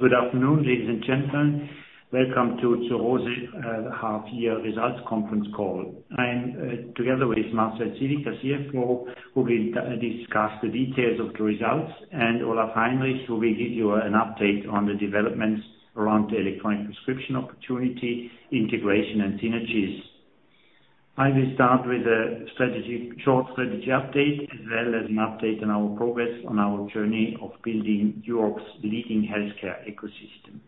Good afternoon, ladies and gentlemen. Welcome to Zur Rose half-year results conference call. I am together with Marcel Ziwica, CFO, who will discuss the details of the results, and Olaf Heinrich, who will give you an update on the developments around the electronic prescription opportunity, integration, and synergies. I will start with a short strategy update, as well as an update on our progress on our journey of building Europe's leading healthcare ecosystem.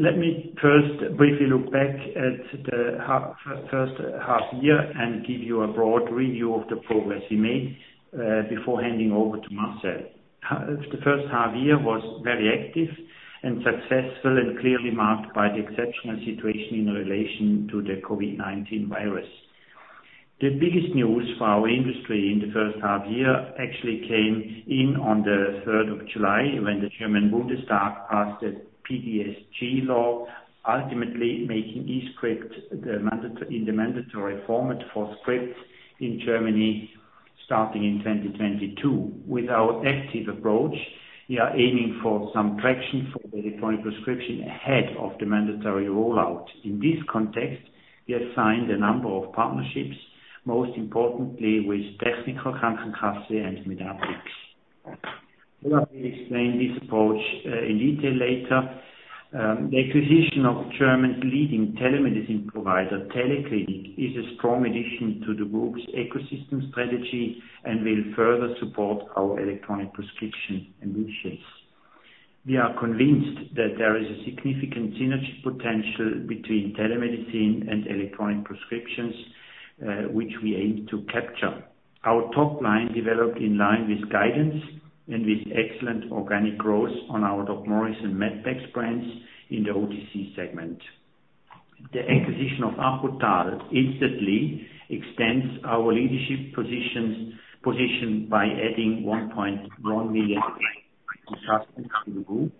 Let me first briefly look back at the first half year and give you a broad review of the progress we made before handing over to Marcel. The first half year was very active and successful and clearly marked by the exceptional situation in relation to the COVID-19 virus. The biggest news for our industry in the first half year actually came in on the 3rd of July when the German Bundestag passed the PDSG law, ultimately making e-script in the mandatory format for scripts in Germany starting in 2022. With our active approach, we are aiming for some traction for the electronic prescription ahead of the mandatory rollout. In this context, we have signed a number of partnerships, most importantly with Techniker Krankenkasse and medatixx. Olaf will explain this approach in detail later. The acquisition of Germany's leading telemedicine provider, TeleClinic, is a strong addition to the group's ecosystem strategy and will further support our electronic prescription initiatives. We are convinced that there is a significant synergy potential between telemedicine and electronic prescriptions, which we aim to capture. Our top line developed in line with guidance and with excellent organic growth on our DocMorris and Medpex brands in the OTC segment. The acquisition of Apotal instantly extends our leadership position by adding 1.1 million customers to the group,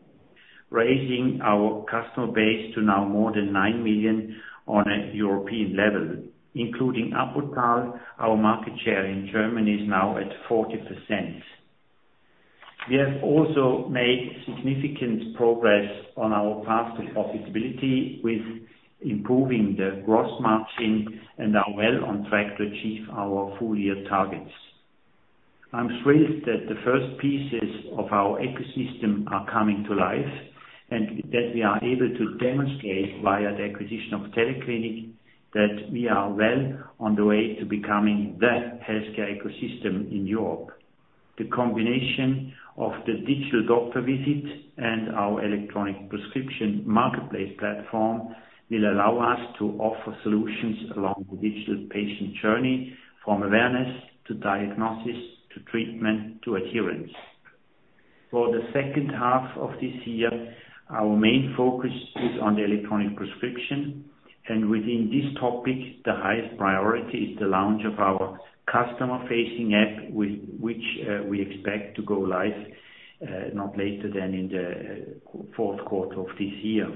raising our customer base to now more than 9 million on a European level. Including Apotal, our market share in Germany is now at 40%. We have also made significant progress on our path to profitability with improving the gross margin and are well on track to achieve our full-year targets. I'm thrilled that the first pieces of our ecosystem are coming to life and that we are able to demonstrate via the acquisition of TeleClinic that we are well on the way to becoming the healthcare ecosystem in Europe. The combination of the digital doctor visit and our electronic prescription marketplace platform will allow us to offer solutions along the digital patient journey from awareness to diagnosis to treatment to adherence. For the second half of this year, our main focus is on the electronic prescription, and within this topic, the highest priority is the launch of our customer-facing app, which we expect to go live not later than in the fourth quarter of this year.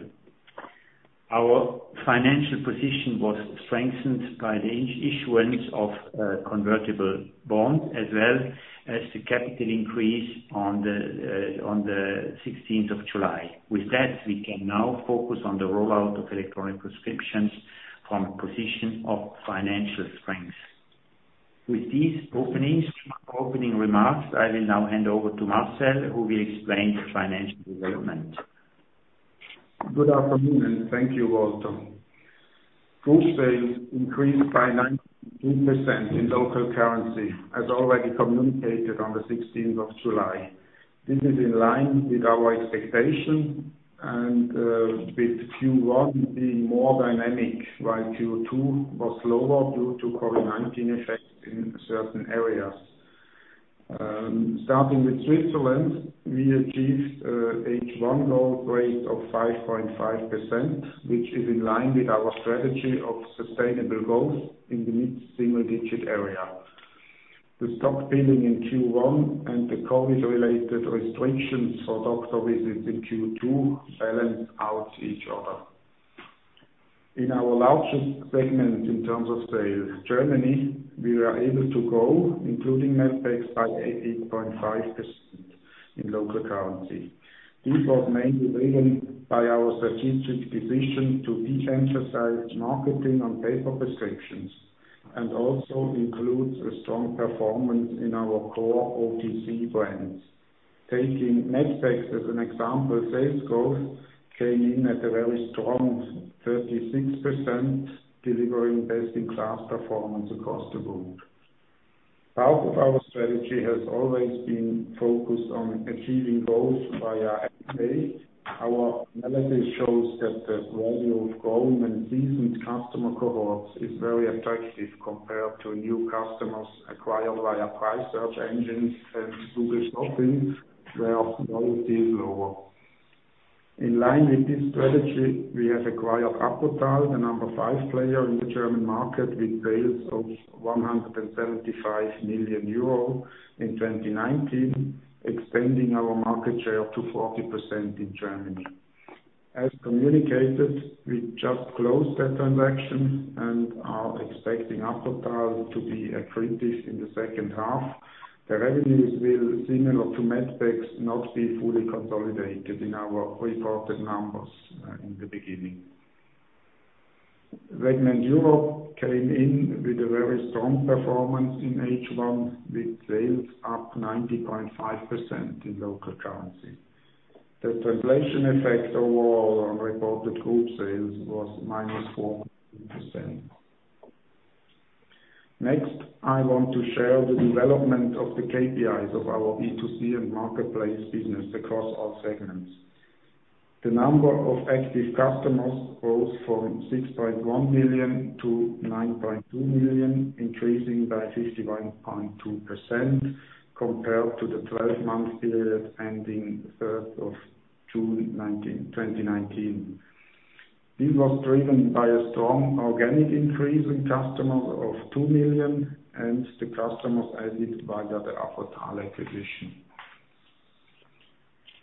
Our financial position was strengthened by the issuance of a convertible bond as well as the capital increase on the 16th of July. With that, we can now focus on the rollout of electronic prescriptions from a position of financial strength. With these opening remarks, I will now hand over to Marcel, who will explain the financial development. Good afternoon and thank you, Walter. Group sales increased by 19% in local currency as already communicated on the 16th of July. This is in line with our expectation and with Q1 being more dynamic while Q2 was lower due to COVID-19 effects in certain areas. Starting with Switzerland, we achieved a H1 growth rate of 5.5%, which is in line with our strategy of sustainable growth in the mid-single digit area. The stock building in Q1 and the COVID-related restrictions for doctor visits in Q2 balance out each other. In our largest segment in terms of sales, Germany, we were able to grow, including Medpex, by 18.5% in local currency. This was mainly driven by our strategic decision to de-emphasize marketing on paper prescriptions and also includes a strong performance in our core OTC brands. Taking medpex as an example, sales growth came in at a very strong 36%, delivering best-in-class performance across the group. Part of our strategy has always been focused on achieving growth via M&A. Our analysis shows that the value of growing seasoned customer cohorts is very attractive compared to new customers acquired via price search engines and Google Shopping, where loyalty is lower. In line with this strategy, we have acquired Apotal, the number five player in the German market with sales of 175 million euro in 2019, expanding our market share to 40% in Germany. As communicated, we just closed that transaction and are expecting Apotal to be accretive in the second half. The revenues will, similar to medpex, not be fully consolidated in our reported numbers in the beginning. Segment Europe came in with a very strong performance in H1, with sales up 90.5% in local currency. The translation effect overall on reported group sales was -4%. Next, I want to share the development of the KPIs of our B2C and marketplace business across all segments. The number of active customers rose from 6.1 million-9.2 million, increasing by 51.2% compared to the 12-month period ending 3rd of June 2019. This was driven by a strong organic increase in customers of 2 million, and the customers added via the Apotal acquisition.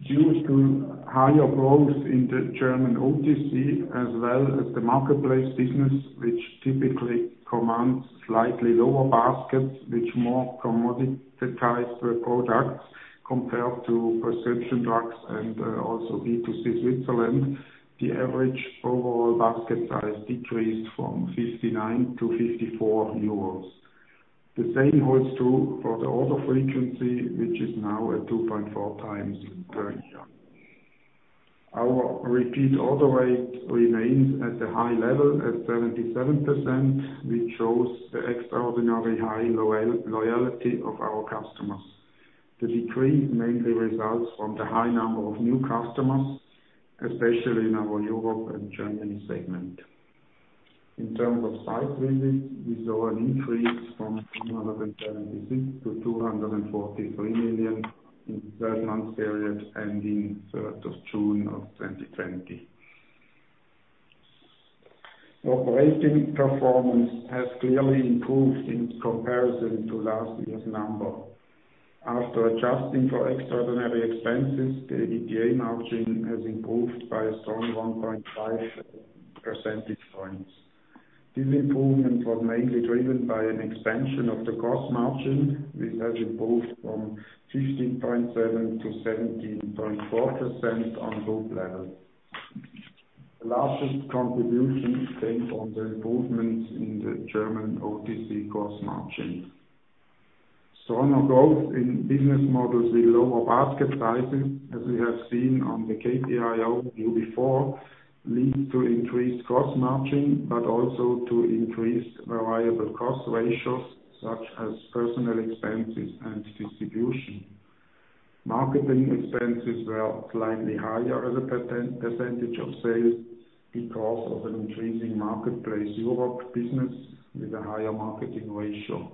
Due to higher growth in the German OTC, as well as the marketplace business, which typically commands slightly lower baskets, with more commoditized products compared to prescription drugs and also B2C Switzerland, the average overall basket size decreased from 59 to 54 euros. The same holds true for the order frequency, which is now at 2.4 times per year. Our repeat order rate remains at the high level, at 77%, which shows the extraordinarily high loyalty of our customers. The decrease mainly results from the high number of new customers, especially in our Europe and Germany segment. In terms of site visits, we saw an increase from 376 to 243 million in the 12 months period ending 3rd of June of 2020. Operating performance has clearly improved in comparison to last year's number. After adjusting for extraordinary expenses, the EBITDA margin has improved by a strong 1.5 percentage points. This improvement was mainly driven by an expansion of the cost margin, which has improved from 15.7%-17.4% on group level. The largest contribution came from the improvements in the German OTC cost margin. Stronger growth in business models with lower basket sizes, as we have seen on the KPI overview before, lead to increased gross margin, but also to increased variable cost ratios such as personnel expenses and distribution. Marketing expenses were slightly higher as a % of sales because of an increasing marketplace Europe business with a higher marketing ratio.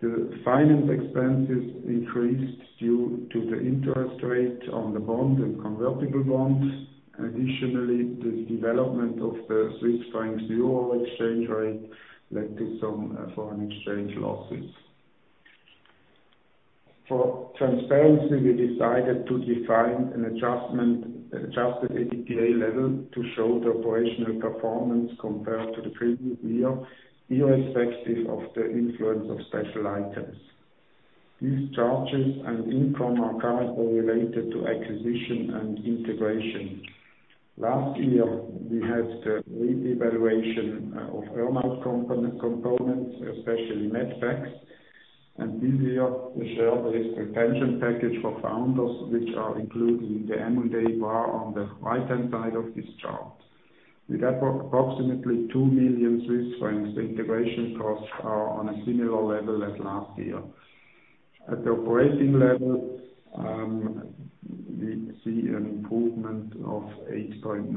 The finance expenses increased due to the interest rate on the bond and convertible bonds. Additionally, the development of the CHF EUR exchange rate led to some foreign exchange losses. For transparency, we decided to define an adjusted EBITDA level to show the operational performance compared to the previous year, irrespective of the influence of special items. These charges and income are currently related to acquisition and integration. Last year, we had the revaluation of earnout components, especially Medpex. This year, we share this retention package for founders, which are included in the M&A bar on the right-hand side of this chart. We got approximately 2 million Swiss francs. Integration costs are on a similar level as last year. At the operating level, we see an improvement of 8.9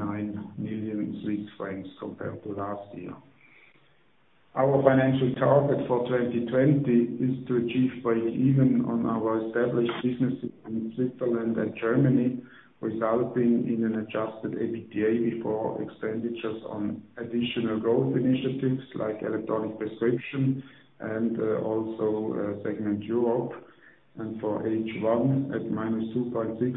million Swiss francs compared to last year. Our financial target for 2020 is to achieve breakeven on our established businesses in Switzerland and Germany, resulting in an adjusted EBITDA before expenditures on additional growth initiatives like electronic prescription and also segment Europe. For H1, at -2.6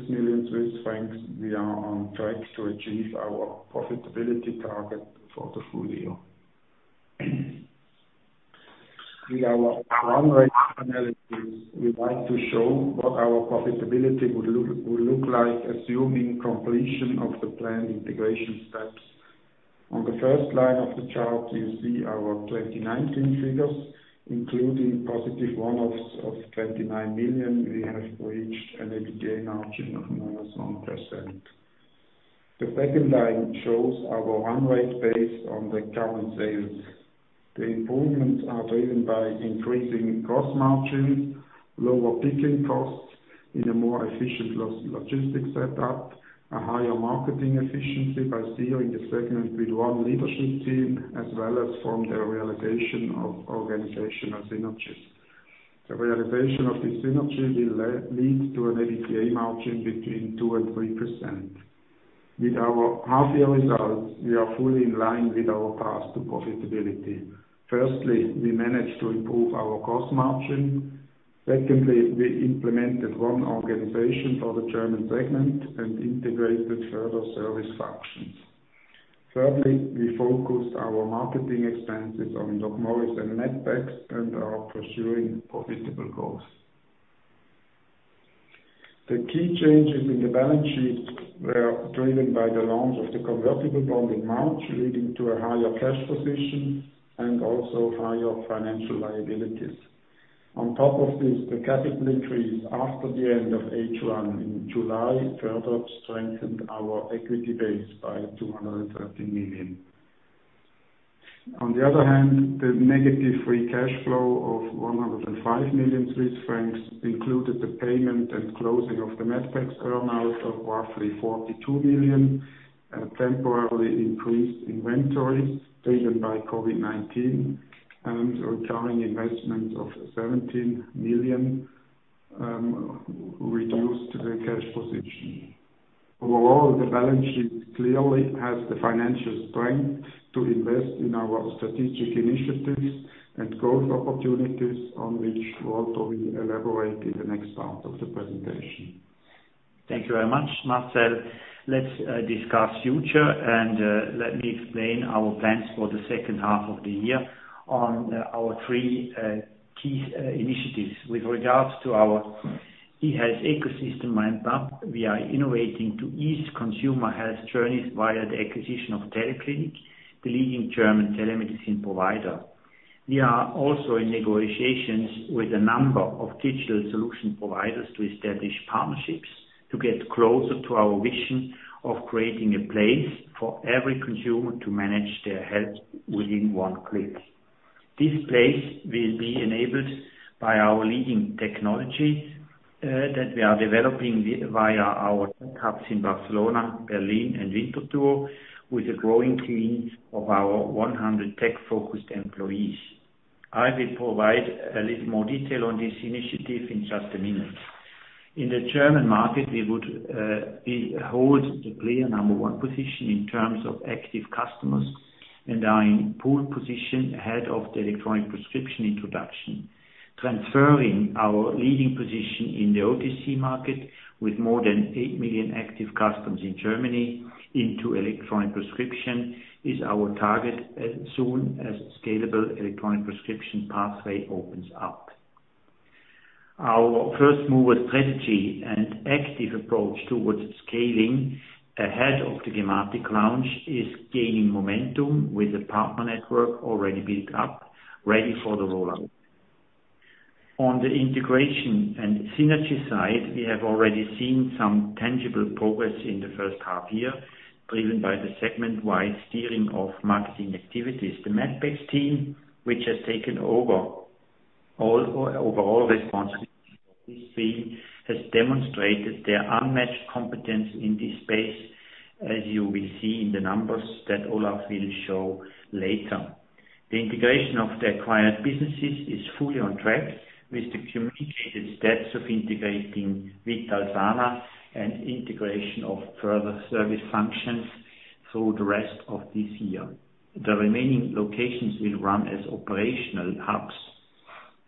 million Swiss francs, we are on track to achieve our profitability target for the full year. In our run rate analysis, we want to show what our profitability would look like, assuming completion of the planned integration steps. On the first line of the chart, you see our 2019 figures. Including positive one-offs of 29 million, we have reached an EBITDA margin of -1%. The second line shows our run rate based on the current sales. The improvements are driven by increasing gross margin, lower picking costs in a more efficient logistics setup, a higher marketing efficiency by steering the segment with one leadership team, as well as from the realization of organizational synergies. The realization of these synergies will lead to an EBITDA margin between 2% and 3%. With our half year results, we are fully in line with our path to profitability. Firstly, we managed to improve our cost margin. Secondly, we implemented one organization for the German segment and integrated further service functions. Thirdly, we focused our marketing expenses on DocMorris and Medpex and are pursuing profitable growth. The key changes in the balance sheet were driven by the launch of the convertible bond in March, leading to a higher cash position and also higher financial liabilities. On top of this, the capital increase after the end of H1 in July further strengthened our equity base by 230 million. On the other hand, the negative free cash flow of 105 million Swiss francs included the payment and closing of the Medpex earn-out of roughly 42 million, temporarily increased inventories driven by COVID-19, and retiring investments of 17 million, reduced the cash position. Overall, the balance sheet clearly has the financial strength to invest in our strategic initiatives and growth opportunities, on which Walter will elaborate in the next part of the presentation. Thank you very much, Marcel. Let's discuss future. Let me explain our plans for the second half of the year on our three key initiatives. With regards to our eHealth ecosystem ramp-up, we are innovating to ease consumer health journeys via the acquisition of TeleClinic, the leading German telemedicine provider. We are also in negotiations with a number of digital solution providers to establish partnerships to get closer to our vision of creating a place for every consumer to manage their health within one click. This place will be enabled by our leading technology that we are developing via our tech hubs in Barcelona, Berlin, and Winterthur, with a growing team of our 100 tech-focused employees. I will provide a little more detail on this initiative in just a minute. In the German market, we hold the clear number one position in terms of active customers and are in pole position ahead of the electronic prescription introduction. Transferring our leading position in the OTC market, with more than eight million active customers in Germany into electronic prescription is our target as soon as scalable electronic prescription pathway opens up. Our first-mover strategy and active approach towards scaling ahead of the gematik launch is gaining momentum with a partner network already built up, ready for the rollout. On the integration and synergy side, we have already seen some tangible progress in the first half year, driven by the segment-wide steering of marketing activities. The Medpex team, which has taken over all responsibility for this theme, has demonstrated their unmatched competence in this space, as you will see in the numbers that Olaf will show later. The integration of the acquired businesses is fully on track with the communicated steps of integrating Vitalsana and integration of further service functions through the rest of this year. The remaining locations will run as operational hubs.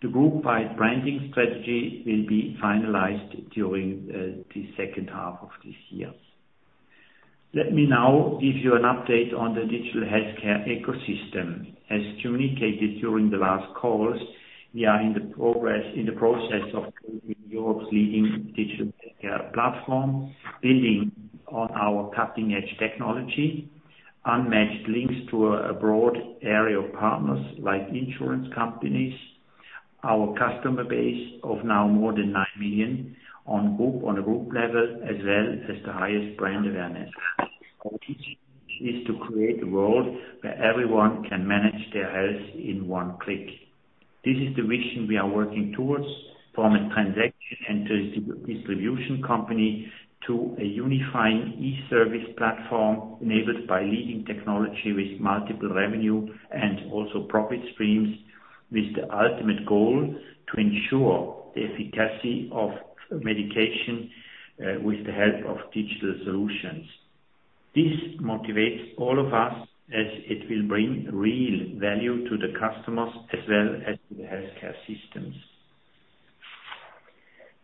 The group-wide branding strategy will be finalized during the second half of this year. Let me now give you an update on the digital healthcare ecosystem. As communicated during the last calls, we are in the process of building Europe's leading digital healthcare platform, building on our cutting-edge technology, unmatched links to a broad area of partners like insurance companies, our customer base of now more than 9 million on a group level, as well as the highest brand awareness. Our vision is to create a world where everyone can manage their health in one click. This is the vision we are working towards from a transaction and distribution company to a unifying e-service platform enabled by leading technology with multiple revenue and also profit streams, with the ultimate goal to ensure the efficacy of medication with the help of digital solutions. This motivates all of us as it will bring real value to the customers as well as to the healthcare systems.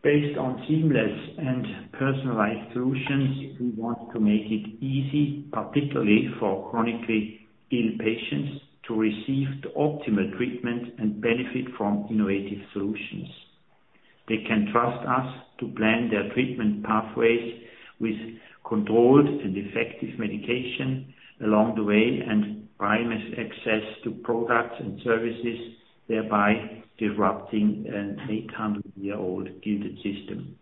Based on seamless and personalized solutions, we want to make it easy, particularly for chronically ill patients, to receive the optimal treatment and benefit from innovative solutions. They can trust us to plan their treatment pathways with controlled and effective medication along the way and primest access to products and services, thereby disrupting an 800-year-old gilded system.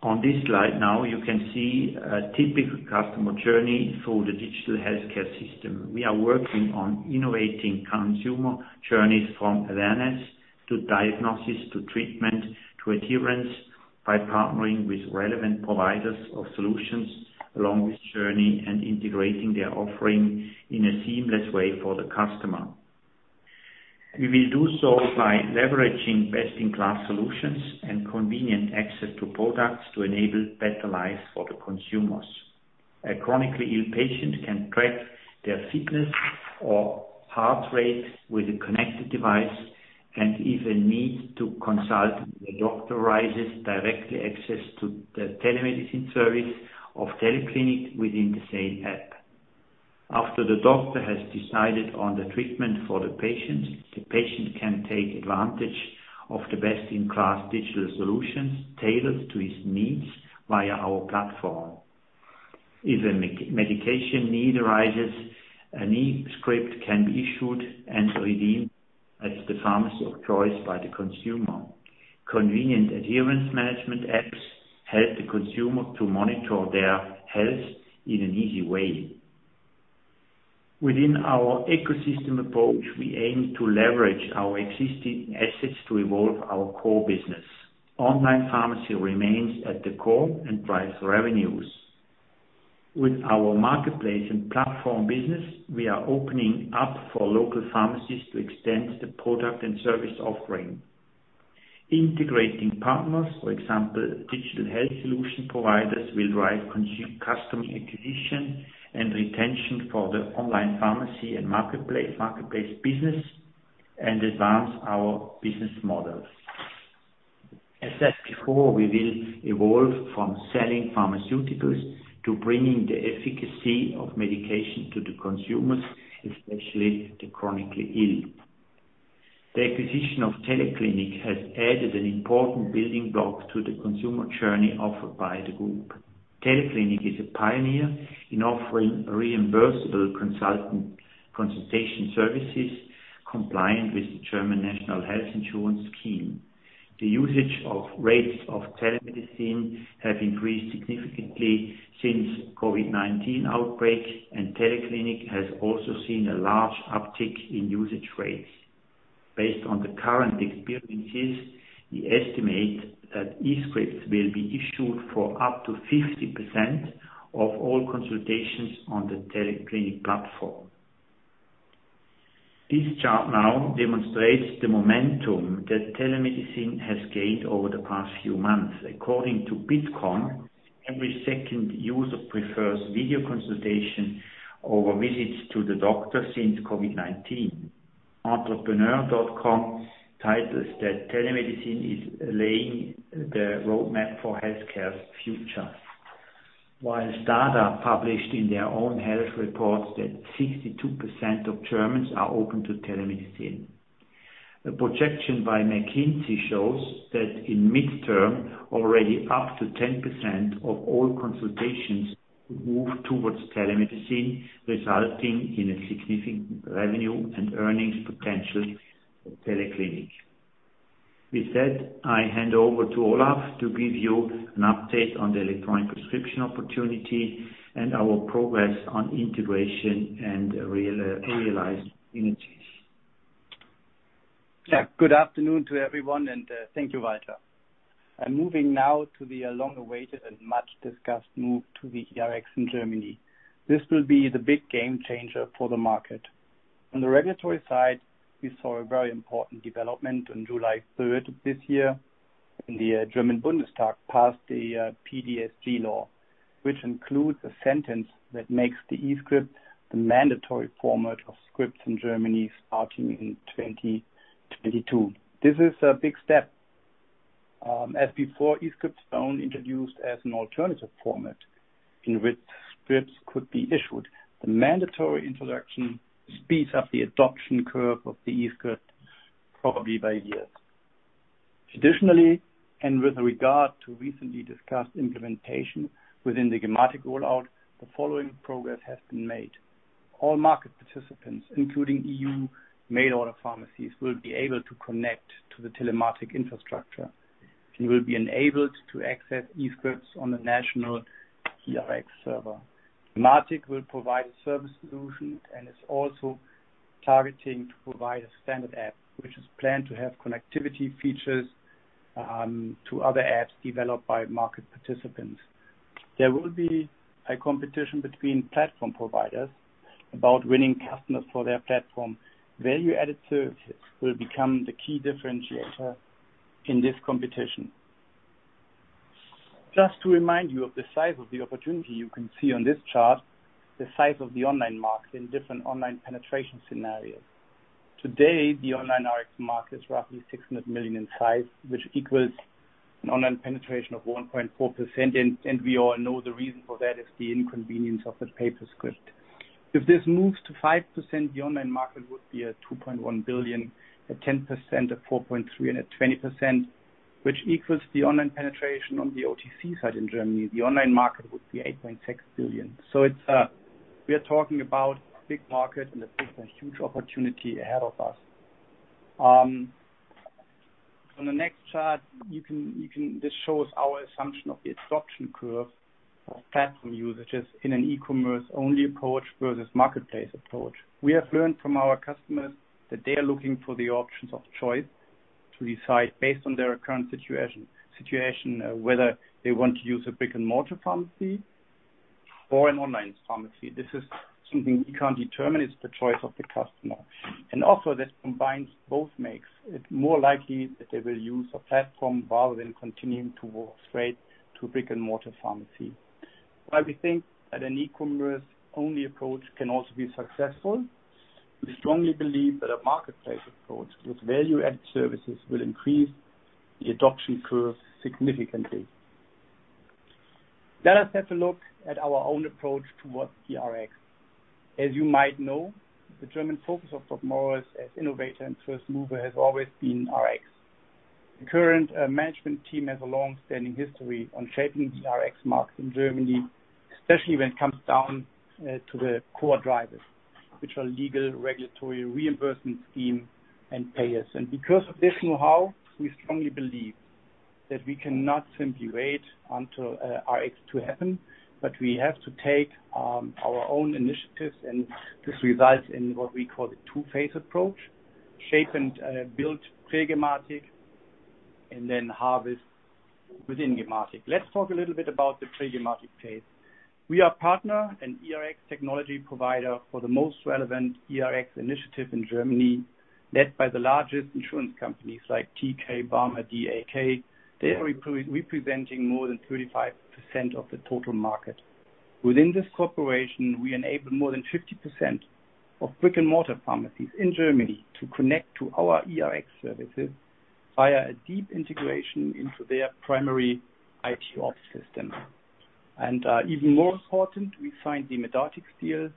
On this slide now, you can see a typical customer journey through the digital healthcare system. We are working on innovating consumer journeys from awareness to diagnosis, to treatment, to adherence by partnering with relevant providers of solutions along this journey and integrating their offering in a seamless way for the customer. We will do so by leveraging best-in-class solutions and convenient access to products to enable better lives for the consumers. A chronically ill patient can track their fitness or heart rates with a connected device, and if a need to consult a doctor arises, directly access the telemedicine service of TeleClinic within the same app. After the doctor has decided on the treatment for the patient, the patient can take advantage of the best-in-class digital solutions tailored to his needs via our platform. If a medication need arises, an e-script can be issued and redeemed at the pharmacy of choice by the consumer. Convenient adherence management apps help the consumer to monitor their health in an easy way. Within our ecosystem approach, we aim to leverage our existing assets to evolve our core business. Online pharmacy remains at the core and drives revenues. With our marketplace and platform business, we are opening up for local pharmacies to extend the product and service offering. Integrating partners, for example, digital health solution providers, will drive customer acquisition and retention for the online pharmacy and marketplace business and advance our business models. As said before, we will evolve from selling pharmaceuticals to bringing the efficacy of medication to the consumers, especially the chronically ill. The acquisition of TeleClinic has added an important building block to the consumer journey offered by the group. TeleClinic is a pioneer in offering reimbursable consultation services compliant with the German National Health Insurance Scheme. The usage rates of telemedicine have increased significantly since COVID-19 outbreak, and TeleClinic has also seen a large uptick in usage rates. Based on the current experiences, we estimate that e-scripts will be issued for up to 50% of all consultations on the TeleClinic platform. This chart now demonstrates the momentum that telemedicine has gained over the past few months. According to Bitkom, every second user prefers video consultation over visits to the doctor since COVID-19. entrepreneur.com titles that telemedicine is laying the roadmap for healthcare's future. While STADA published in their own health reports that 62% of Germans are open to telemedicine. A projection by McKinsey shows that in midterm, already up to 10% of all consultations move towards telemedicine, resulting in a significant revenue and earnings potential for TeleClinic. With that, I hand over to Olaf to give you an update on the electronic prescription opportunity and our progress on integration and real synergies. Yeah. Good afternoon to everyone, and thank you, Walter. Moving now to the long-awaited and much-discussed move to the eRx in Germany. This will be the big game changer for the market. On the regulatory side, we saw a very important development on July 3rd this year when the German Bundestag passed the PDSG law, which includes a sentence that makes the e-script the mandatory format of scripts in Germany starting in 2022. This is a big step. As before, e-scripts were only introduced as an alternative format in which scripts could be issued. The mandatory introduction speeds up the adoption curve of the e-script, probably by years. Additionally, and with regard to recently discussed implementation within the gematik rollout, the following progress has been made. All market participants, including EU mail-order pharmacies, will be able to connect to the Telematikinfrastruktur and will be enabled to access e-scripts on the national eRx server. gematik will provide a service solution and is also targeting to provide a standard app, which is planned to have connectivity features to other apps developed by market participants. There will be a competition between platform providers about winning customers for their platform. Value-added services will become the key differentiator in this competition. Just to remind you of the size of the opportunity, you can see on this chart the size of the online market in different online penetration scenarios. Today, the online RX market is roughly 600 million in size, which equals an online penetration of 1.4%. We all know the reason for that is the inconvenience of the paper script. If this moves to 5%, the online market would be at 2.1 billion, at 10%, at 4.3 billion, and at 20%, which equals the online penetration on the OTC side in Germany, the online market would be 8.6 billion. We are talking about a big market, this is a huge opportunity ahead of us. On the next chart, this shows our assumption of the adoption curve of platform usages in an e-commerce only approach versus marketplace approach. We have learned from our customers that they are looking for the options of choice to decide based on their current situation, whether they want to use a brick-and-mortar pharmacy or an online pharmacy. This is something we can't determine, it's the choice of the customer. Also this combines both makes it more likely that they will use a platform rather than continuing to walk straight to brick-and-mortar pharmacy. While we think that an e-commerce only approach can also be successful, we strongly believe that a marketplace approach with value-added services will increase the adoption curve significantly. Let us have a look at our own approach towards eRx. As you might know, the German focus of DocMorris as innovator and first mover has always been RX. The current management team has a long-standing history on shaping the RX market in Germany, especially when it comes down to the core drivers, which are legal, regulatory, reimbursement scheme, and payers. Because of this know-how, we strongly believe that we cannot simply wait until RX to happen, but we have to take our own initiatives. This results in what we call the two-phase approach, shape and build pre-gematik, and then harvest within gematik. Let's talk a little bit about the pre-gematik phase. We are partner and eRX technology provider for the most relevant eRX initiative in Germany, led by the largest insurance companies like TK, BARMER, DAK. They are representing more than 35% of the total market. Within this corporation, we enable more than 50% of brick-and-mortar pharmacies in Germany to connect to our eRX services via a deep integration into their primary IT ops system. Even more important, we signed the medatixx deal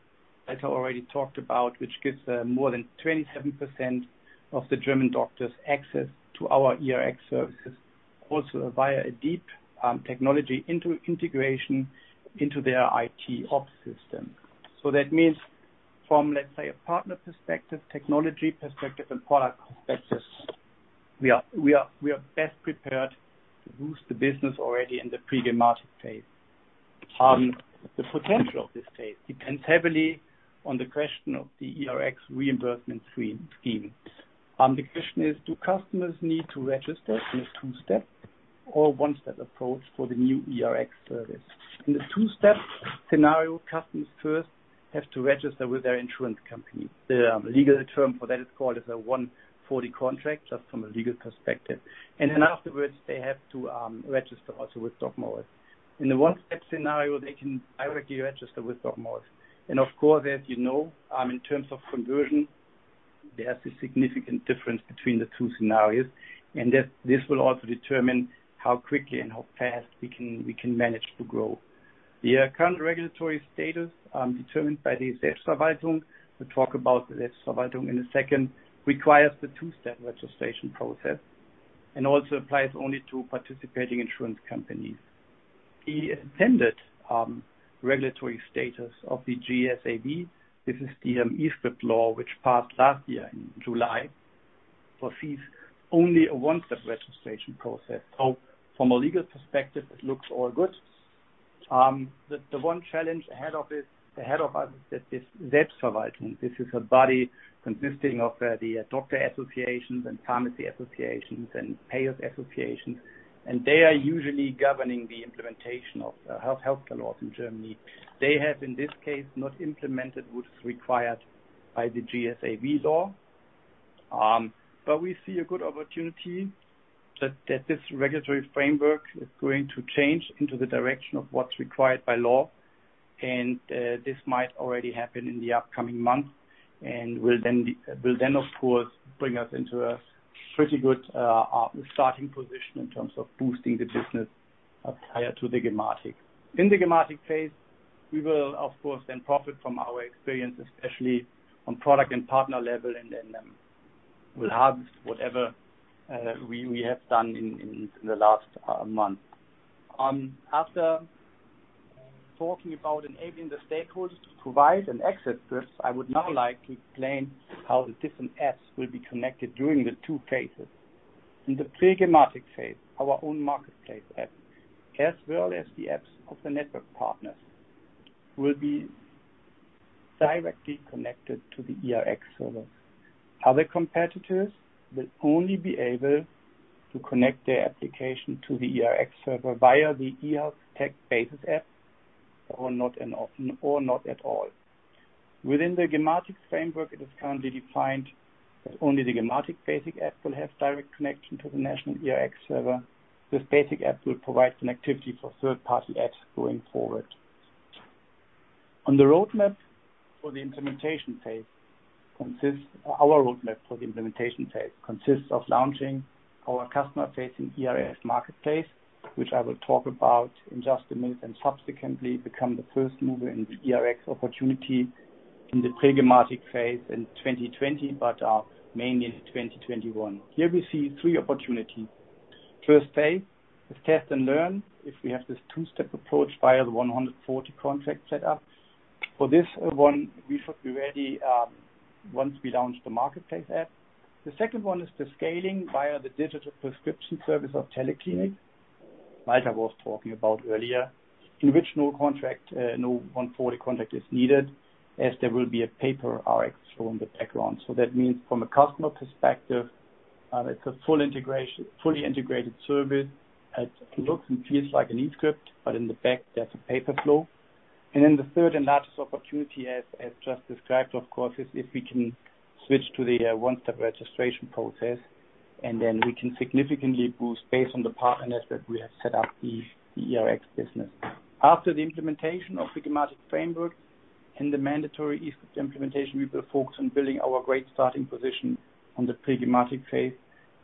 that I already talked about, which gives more than 27% of the German doctors access to our eRX services also via a deep technology integration into their IT ops system. That means from, let's say, a partner perspective, technology perspective, and product perspective, we are best prepared to boost the business already in the pre-gematik phase. The potential of this phase depends heavily on the question of the eRX reimbursement scheme. The question is, do customers need to register in a two-step or one-step approach for the new eRx service? In the two-step scenario, customers first have to register with their insurance company. The legal term for that is called as a 140 contract, just from a legal perspective. Afterwards, they have to register also with DocMorris. In the one-step scenario, they can directly register with DocMorris. As you know, in terms of conversion, there's a significant difference between the two scenarios, and this will also determine how quickly and how fast we can manage to grow. The current regulatory status, determined by the Selbstverwaltung, we'll talk about Selbstverwaltung in a second, requires the two-step registration process and also applies only to participating insurance companies. The intended regulatory status of the GSAV, this is the e-script law which passed last year in July, foresees only a one-step registration process. From a legal perspective, it looks all good. The one challenge ahead of us is Selbstverwaltung. This is a body consisting of the doctor associations and pharmacy associations and payer associations, and they are usually governing the implementation of health care laws in Germany. They have, in this case, not implemented what is required by the GSAV law. We see a good opportunity that this regulatory framework is going to change into the direction of what's required by law, and this might already happen in the upcoming month and will then, of course, bring us into a pretty good starting position in terms of boosting the business prior to the gematik. In the gematik phase, we will, of course, profit from our experience, especially on product and partner level, and will have whatever we have done in the last month. After talking about enabling the stakeholders to provide and access this, I would now like to explain how the different apps will be connected during the two phases. In the pre-gematik phase, our own marketplace app, as well as the apps of the network partners, will be directly connected to the eRx server. Other competitors will only be able to connect their application to the eRx server via the eHealth-Tec basic app or not at all. Within the gematik framework, it is currently defined that only the gematik basic app will have direct connection to the national eRx server. This basic app will provide connectivity for third-party apps going forward. Our roadmap for the implementation phase consists of launching our customer-facing eRX marketplace, which I will talk about in just a minute, and subsequently become the first mover in the eRX opportunity in the pre-gematik phase in 2020, but mainly in 2021. Here we see three opportunities. First phase is test and learn, if we have this two-step approach via the 140 contract set up. For this one, we should be ready once we launch the marketplace app. The second one is the scaling via the digital prescription service of TeleClinic, Walter was talking about earlier, in which no 140 contract is needed as there will be a paper RX flow in the background. That means from a customer perspective. It's a fully integrated service that looks and feels like an e-script, but in the back, there's a paper flow. The third and largest opportunity, as just described, of course, is if we can switch to the one-step registration process, then we can significantly boost based on the partners that we have set up the eRx business. After the implementation of the Telematikinfrastruktur and the mandatory e-script implementation, we will focus on building our great starting position on the pre-gematik phase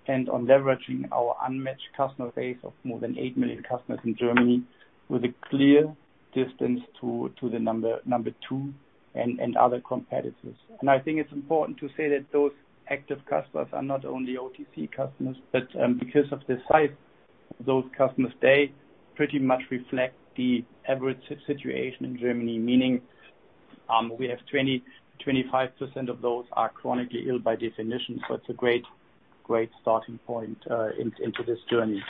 and on leveraging our unmatched customer base of more than eight million customers in Germany with a clear distance to the number two and other competitors. I think it's important to say that those active customers are not only OTC customers. Because of the size, those customers, they pretty much reflect the average situation in Germany, meaning we have 25% of those are chronically ill by definition. It's a great starting point into this journey.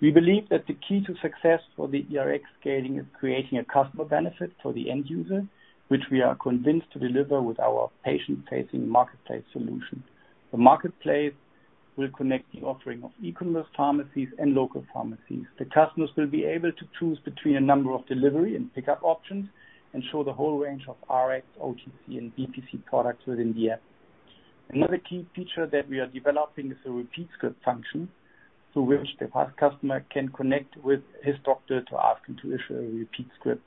We believe that the key to success for the eRx scaling is creating a customer benefit for the end user, which we are convinced to deliver with our patient-facing marketplace solution. The marketplace will connect the offering of e-commerce pharmacies and local pharmacies. The customers will be able to choose between a number of delivery and pickup options and show the whole range of RX, OTC, and BPC products within the app. Another key feature that we are developing is a repeat script function, through which the customer can connect with his doctor to ask him to issue a repeat script.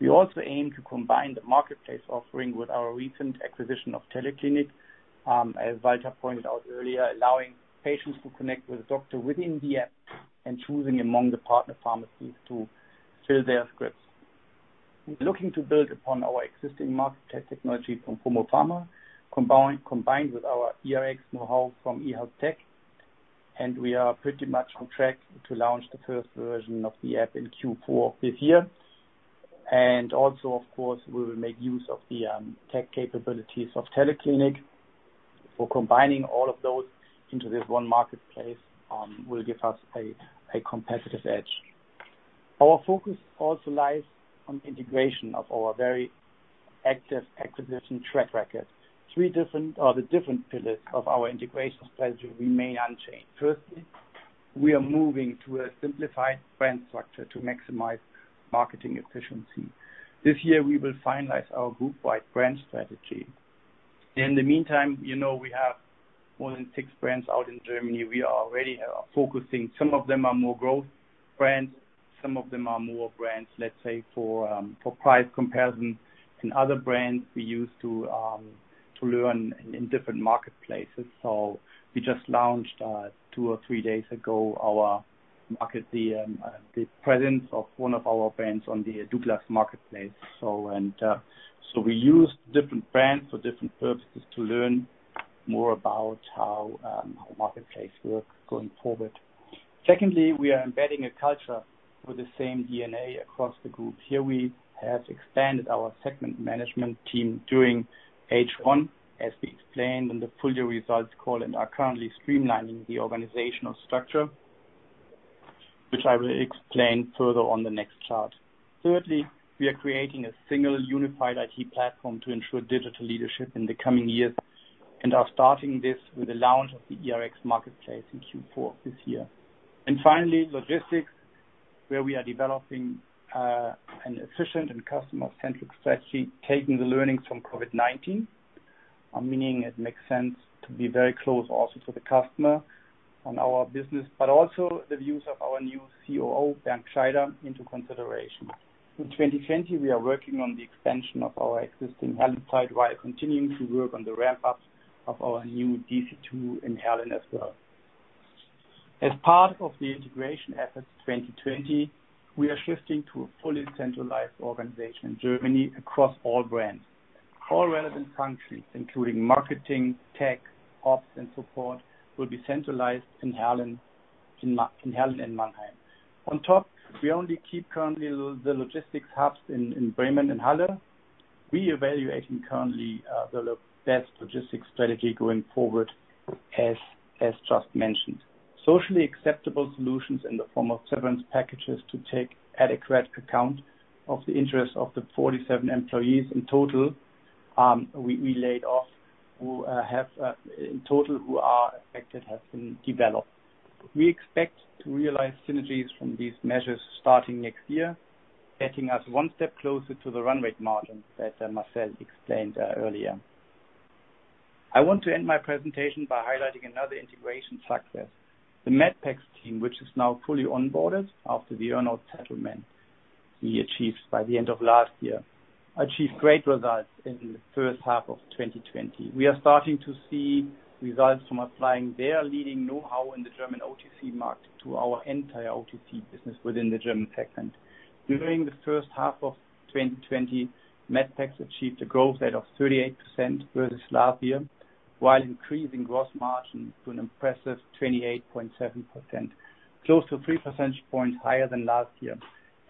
We also aim to combine the marketplace offering with our recent acquisition of TeleClinic, as Walter pointed out earlier, allowing patients to connect with a doctor within the app and choosing among the partner pharmacies to fill their scripts. We're looking to build upon our existing marketplace technology from PromoFarma, combined with our eRx know-how from eHealth-Tec, and we are pretty much on track to launch the first version of the app in Q4 of this year. Also, of course, we will make use of the tech capabilities of TeleClinic. Combining all of those into this one marketplace will give us a competitive edge. Our focus also lies on the integration of our very active acquisition track record. The different pillars of our integration strategy remain unchanged. Firstly, we are moving to a simplified brand structure to maximize marketing efficiency. This year, we will finalize our group-wide brand strategy. In the meantime, we have more than six brands out in Germany. We are already focusing. Some of them are more growth brands, some of them are more brands, let's say, for price comparison and other brands we use to learn in different marketplaces. We just launched, two or three days ago, the presence of one of our brands on the Douglas marketplace. We use different brands for different purposes to learn more about how marketplace work going forward. Secondly, we are embedding a culture with the same DNA across the group. Here we have expanded our segment management team during H1, as we explained in the full year results call, and are currently streamlining the organizational structure, which I will explain further on the next chart. Thirdly, we are creating a single unified IT platform to ensure digital leadership in the coming years and are starting this with the launch of the eRX marketplace in Q4 of this year. Finally, logistics, where we are developing an efficient and customer-centric strategy, taking the learnings from COVID-19, meaning it makes sense to be very close also to the customer on our business, but also the views of our new COO, Bernd Gschaider, into consideration. In 2020, we are working on the expansion of our existing Halle site while continuing to work on the ramp-up of our new DC2 in Berlin as well. As part of the integration efforts 2020, we are shifting to a fully centralized organization in Germany across all brands. All relevant functions, including marketing, tech, ops, and support, will be centralized in Berlin and Mannheim. On top, we only keep currently the logistics hubs in Bremen and Halle. We are evaluating currently the best logistics strategy going forward, as just mentioned. Socially acceptable solutions in the form of severance packages to take adequate account of the interests of the 47 employees in total we laid off, in total who are affected, have been developed. We expect to realize synergies from these measures starting next year, getting us one step closer to the run rate margin that Marcel explained earlier. I want to end my presentation by highlighting another integration success. The Medpex team, which is now fully onboarded after the earn-out settlement we achieved by the end of last year, achieved great results in the first half of 2020. We are starting to see results from applying their leading know-how in the German OTC market to our entire OTC business within the German segment. During the first half of 2020, Medpex achieved a growth rate of 38% versus last year, while increasing gross margin to an impressive 28.7%, close to three percentage points higher than last year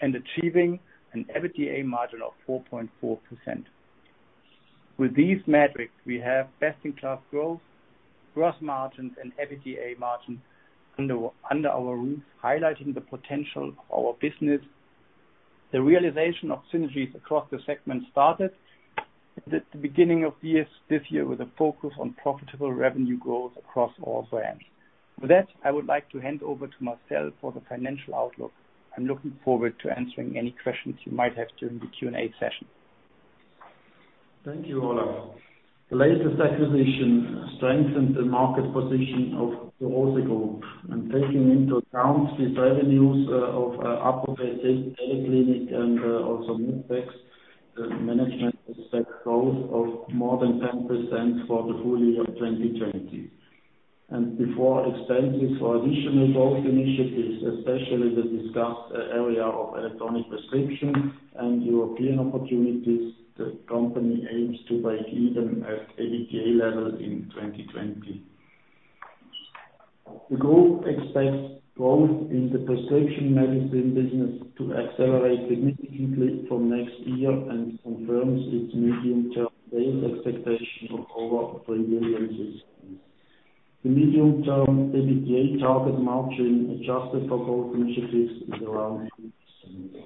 and achieving an EBITDA margin of 4.4%. With these metrics, we have best-in-class growth, gross margins, and EBITDA margins under our roof, highlighting the potential of our business. The realization of synergies across the segments started at the beginning of this year with a focus on profitable revenue growth across all brands. With that, I would like to hand over to Marcel for the financial outlook. I'm looking forward to answering any questions you might have during the Q&A session. Thank you, Olaf. The latest acquisition strengthened the market position of Zur Rose Group. Taking into account these revenues of Apotal, TeleClinic, and also medpex, the management expects growth of more than 10% for the full year 2020. Before expenses or additional growth initiatives, especially the discussed area of electronic prescription and European opportunities, the company aims to break even at EBITDA level in 2020. The group expects growth in the prescription medicine business to accelerate significantly from next year and confirms its medium-term sales expectation of over 3 billion CHF. The medium-term EBITDA target margin, adjusted for growth initiatives, is around 6%.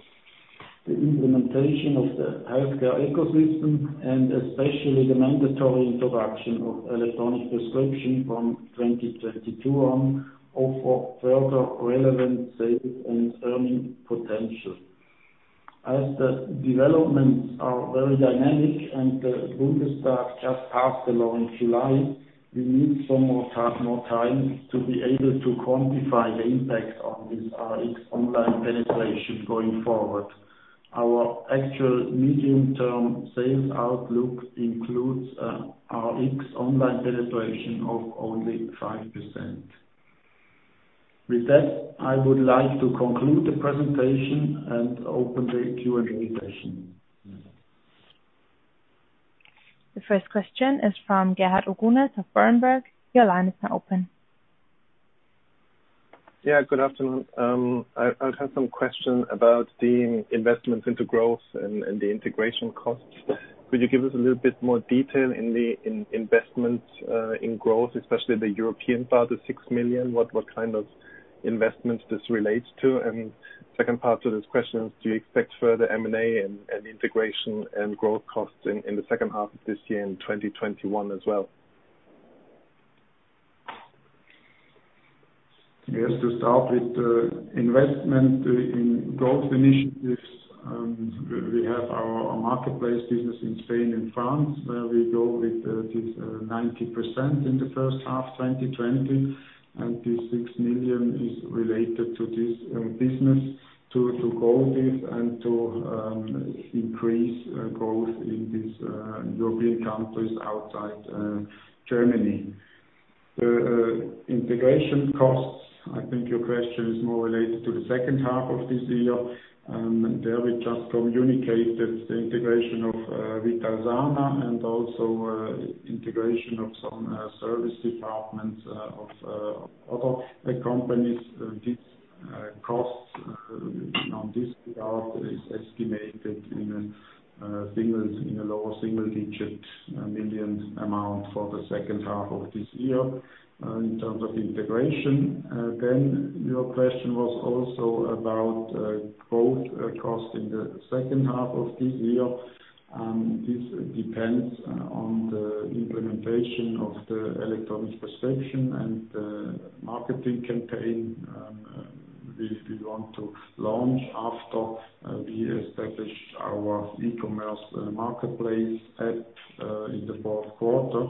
The implementation of the healthcare ecosystem and especially the mandatory introduction of electronic prescription from 2022 on offer further relevant sales and earning potential. As the developments are very dynamic and the Bundestag just passed the law in July, we need some more time to be able to quantify the impact on this RX online penetration going forward. Our actual medium-term sales outlook includes RX online penetration of only 5%. With that, I would like to conclude the presentation and open the Q&A session. The first question is from Gerhard Orgonas of Berenberg. Your line is now open. Yeah, good afternoon. I have some questions about the investments into growth and the integration costs. Could you give us a little bit more detail in the investments in growth, especially the European part, the 6 million, what kind of investments this relates to? Second part to this question is, do you expect further M&A and integration and growth costs in the second half of this year, in 2021 as well? Yes. To start with the investment in growth initiatives, we have our marketplace business in Spain and France, where we go with this 90% in the first half 2020. This 6 million is related to this business to grow this and to increase growth in these European countries outside Germany. The integration costs, I think your question is more related to the second half of this year. There we just communicated the integration of Vitalsana and also integration of some service departments of other companies. These costs on this part is estimated in a lower single-digit million amount for the second half of this year. In terms of integration, your question was also about growth cost in the second half of this year. This depends on the implementation of the electronic prescription and the marketing campaign we want to launch after we establish our e-commerce marketplace app in the fourth quarter.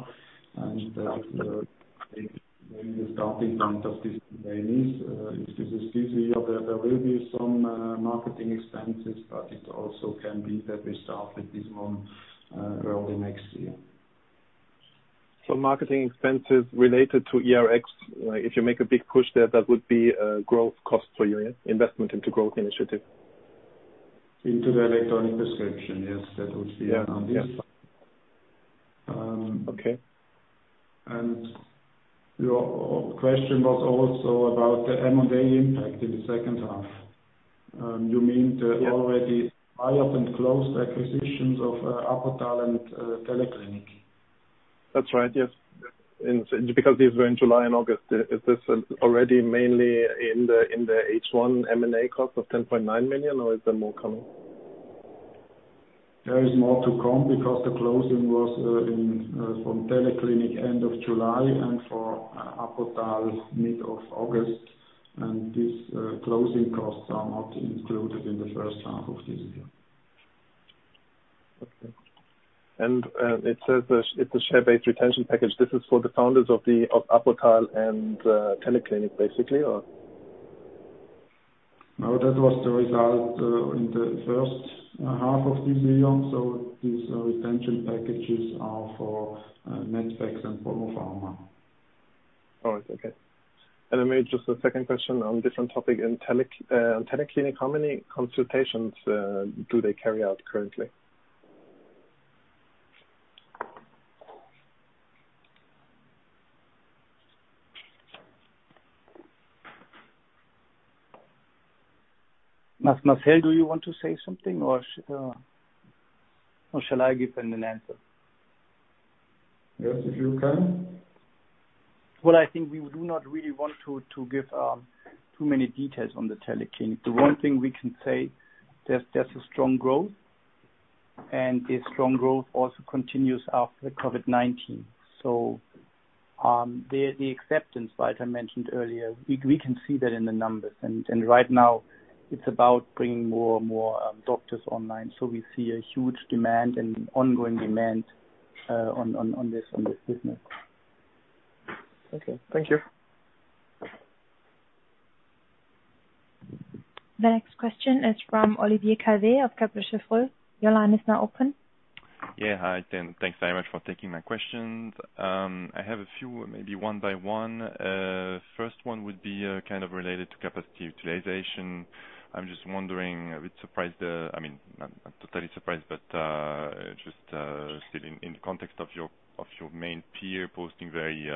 I think the starting point of this is this year. There will be some marketing expenses, but it also can be that we start with this more early next year. Marketing expenses related to eRx. If you make a big push there, that would be a growth cost for you, yeah? Investment into growth initiative. Into the electronic prescription, yes. That would be on this side. Okay. Your question was also about the M&A impact in the second half. You mean the already buy-up and closed acquisitions of Apotal and TeleClinic? That's right, yes. These were in July and August. Is this already mainly in the H1 M&A cost of 10.9 million, or is there more coming? There is more to come because the closing was from TeleClinic end of July and for Apotal mid of August. These closing costs are not included in the first half of this year. Okay. It says it's a share-based retention package. This is for the founders of Apotal and TeleClinic, basically, or? No, that was the result in the first half of this year. These retention packages are for medpex and PromoFarma. All right. Okay. Maybe just a second question on different topic. In TeleClinic, how many consultations do they carry out currently? Marcel, do you want to say something, or shall I give an answer? Yes, if you can. I think we do not really want to give too many details on the TeleClinic. The one thing we can say, there's a strong growth, and this strong growth also continues after the COVID-19. The acceptance, like I mentioned earlier, we can see that in the numbers. Right now it's about bringing more and more doctors online. We see a huge demand and ongoing demand on this business. Okay. Thank you. The next question is from Olivier Calo of Cheuvreux. Your line is now open. Yeah. Hi, Team. Thanks very much for taking my questions. I have a few, maybe one by one. First one would be kind of related to capacity utilization. I'm just wondering, a bit surprised, I mean, not totally surprised, but just still in the context of your main peer posting very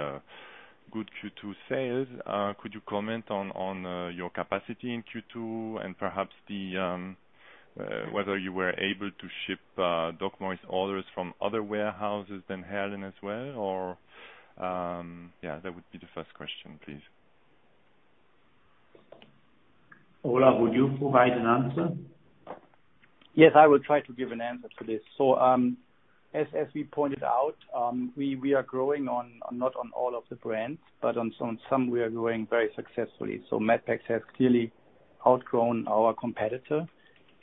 good Q2 sales, could you comment on your capacity in Q2 and perhaps whether you were able to ship DocMorris orders from other warehouses than Heerlen as well, or Yeah, that would be the first question, please? Olaf, would you provide an answer? Yes, I will try to give an answer to this. As we pointed out, we are growing not on all of the brands, but on some we are growing very successfully. Medpex has clearly outgrown our competitor.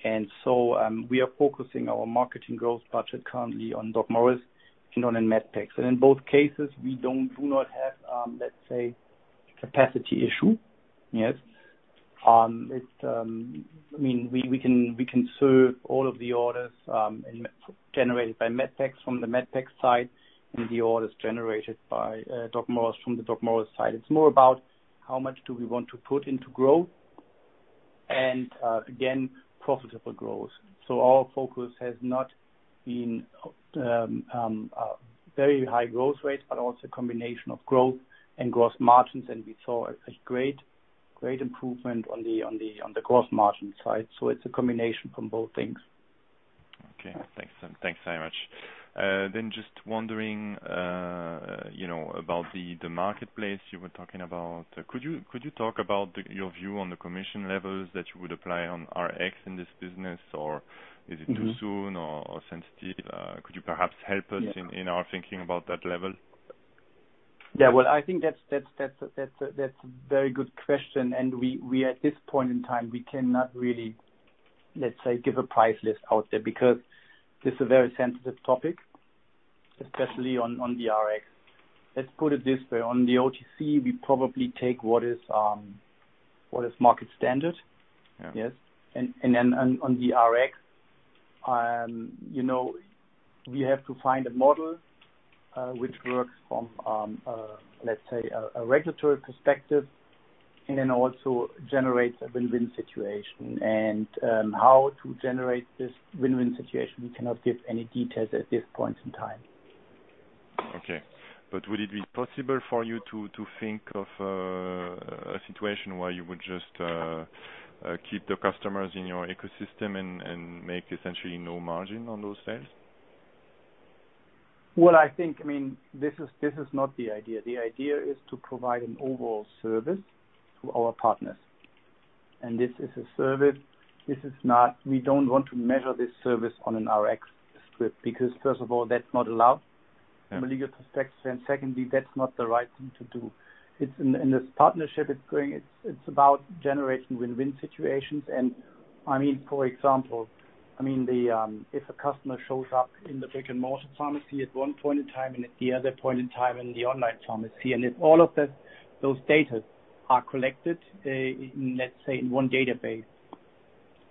We are focusing our marketing growth budget currently on DocMorris and on medpex. In both cases, we do not have, let's say, capacity issue. Yes. We can serve all of the orders generated by medpex from the medpex side and the orders generated by DocMorris from the DocMorris side. It's more about how much do we want to put into growth and, again, profitable growth. Our focus has not been very high growth rates, but also a combination of growth and gross margins, and we saw a great improvement on the gross margin side. It's a combination from both things. Okay. Thanks very much. Just wondering about the marketplace you were talking about. Could you talk about your view on the commission levels that you would apply on RX in this business, or is it too soon or sensitive? Could you perhaps help us in our thinking about that level? Yeah. Well, I think that's a very good question, and we, at this point in time, we cannot really, let's say, give a price list out there because this is a very sensitive topic, especially on the RX. Let's put it this way, on the OTC, we probably take what is market standard. Yeah. Yes. Then on the Rx, we have to find a model, which works from, let's say, a regulatory perspective and then also generates a win-win situation. How to generate this win-win situation, we cannot give any details at this point in time. Okay. Would it be possible for you to think of a situation where you would just keep the customers in your ecosystem and make essentially no margin on those sales. I think, this is not the idea. The idea is to provide an overall service to our partners. This is a service. We don't want to measure this service on an Rx script, because first of all, that's not allowed. Yeah from a legal perspective. Secondly, that's not the right thing to do. In this partnership, it's about generating win-win situations and for example, if a customer shows up in the brick-and-mortar pharmacy at one point in time and at the other point in time in the online pharmacy, and if all of those data are collected, let's say in one database.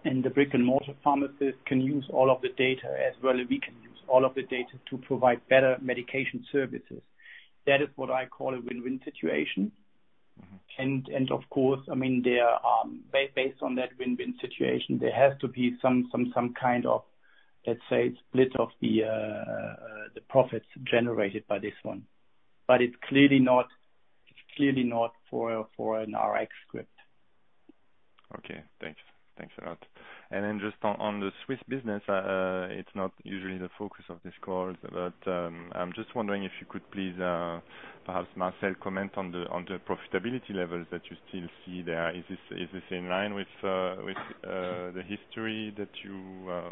The brick-and-mortar pharmacist can use all of the data as well as we can use all of the data to provide better medication services. That is what I call a win-win situation. Of course, based on that win-win situation, there has to be some kind of, let's say, split of the profits generated by this one. It's clearly not for an RX script. Okay. Thanks. Thanks a lot. Just on the Swiss business, it's not usually the focus of this call, but I'm just wondering if you could please, perhaps Marcel, comment on the profitability levels that you still see there. Is this in line with the history that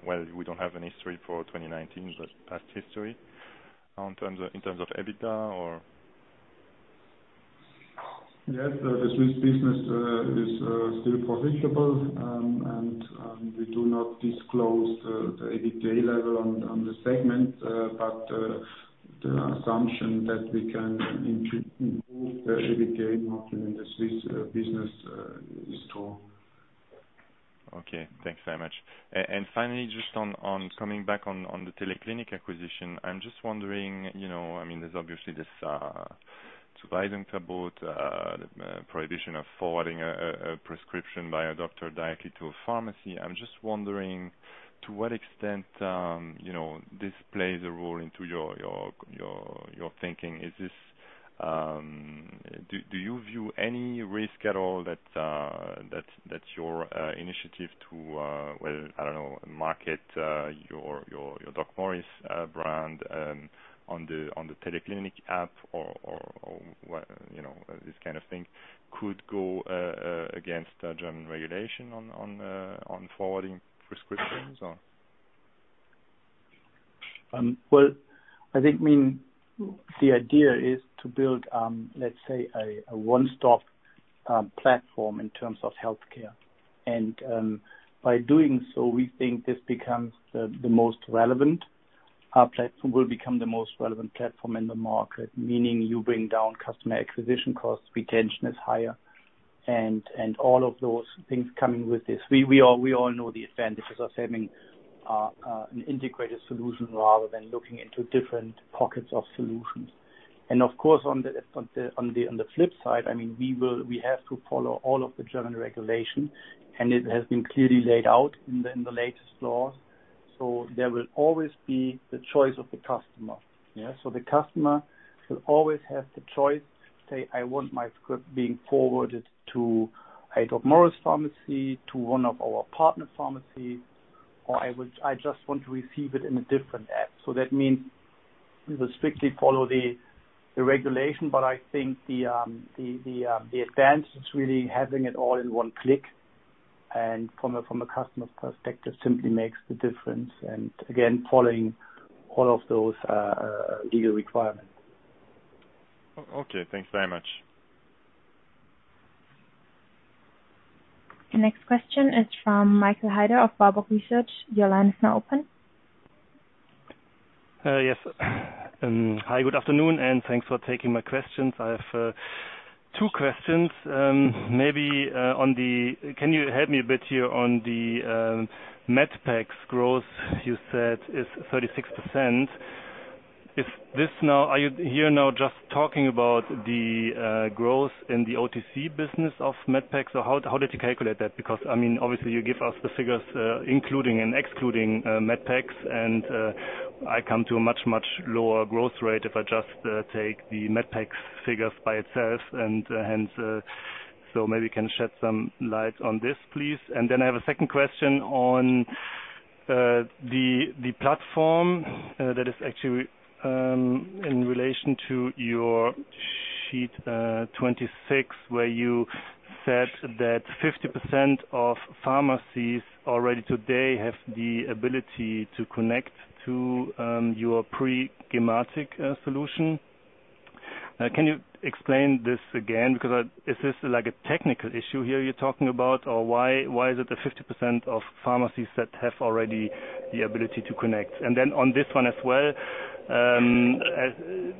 Well, we don't have any history for 2019, but past history in terms of EBITDA. Yes, the Swiss business is still profitable. We do not disclose the EBITDA level on the segment. The assumption that we can improve the EBITDA margin in the Swiss business is true. Okay. Thanks very much. Finally, just coming back on the TeleClinic acquisition. I'm just wondering, there's obviously this prohibition of forwarding a prescription by a doctor directly to a pharmacy. I'm just wondering to what extent this plays a role into your thinking? Do you view any risk at all that your initiative to, well, I don't know, market your DocMorris brand on the TeleClinic app or this kind of thing could go against German regulation on forwarding prescriptions? Well, I think the idea is to build, let's say, a one-stop platform in terms of healthcare. By doing so, we think this becomes the most relevant. Our platform will become the most relevant platform in the market, meaning you bring down customer acquisition costs, retention is higher, and all of those things coming with this. We all know the advantages of having an integrated solution rather than looking into different pockets of solutions. Of course, on the flip side, we have to follow all of the German regulations, and it has been clearly laid out in the latest laws. There will always be the choice of the customer. The customer will always have the choice to say, I want my script being forwarded to either DocMorris Pharmacy to one of our partner pharmacies, or I just want to receive it in a different app. That means we will strictly follow the regulation, but I think the advantage is really having it all in one click, and from a customer's perspective, simply makes the difference. Again, following all of those legal requirements. Okay. Thanks very much. The next question is from Michael Heider of Warburg Research. Your line is now open. Yes. Hi, good afternoon, thanks for taking my questions. I have two questions. Can you help me a bit here on the Medpex growth you said is 36%? Are you here now just talking about the growth in the OTC business of Medpex, or how did you calculate that? Obviously you give us the figures, including and excluding Medpex, and I come to a much, much lower growth rate if I just take the Medpex figures by itself. Hence, maybe you can shed some light on this, please. Then I have a second question on the platform that is actually in relation to your sheet 26, where you said that 50% of pharmacies already today have the ability to connect to your pre-gematik solution. Can you explain this again, because is this like a technical issue here you're talking about? Why is it that 50% of pharmacies that have already the ability to connect? On this one as well,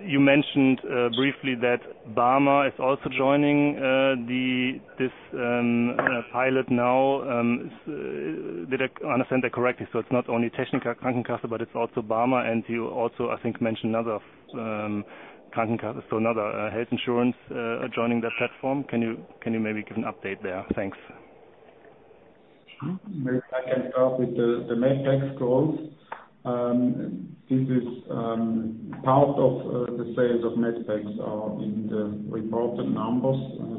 you mentioned briefly that BARMER is also joining this pilot now. Did I understand that correctly? It's not only Techniker Krankenkasse, but it's also BARMER, and you also, I think, mentioned another Krankenkasse, so another health insurance joining that platform. Can you maybe give an update there? Thanks. Maybe I can start with the Medpex growth. Part of the sales of Medpex are in the reported numbers,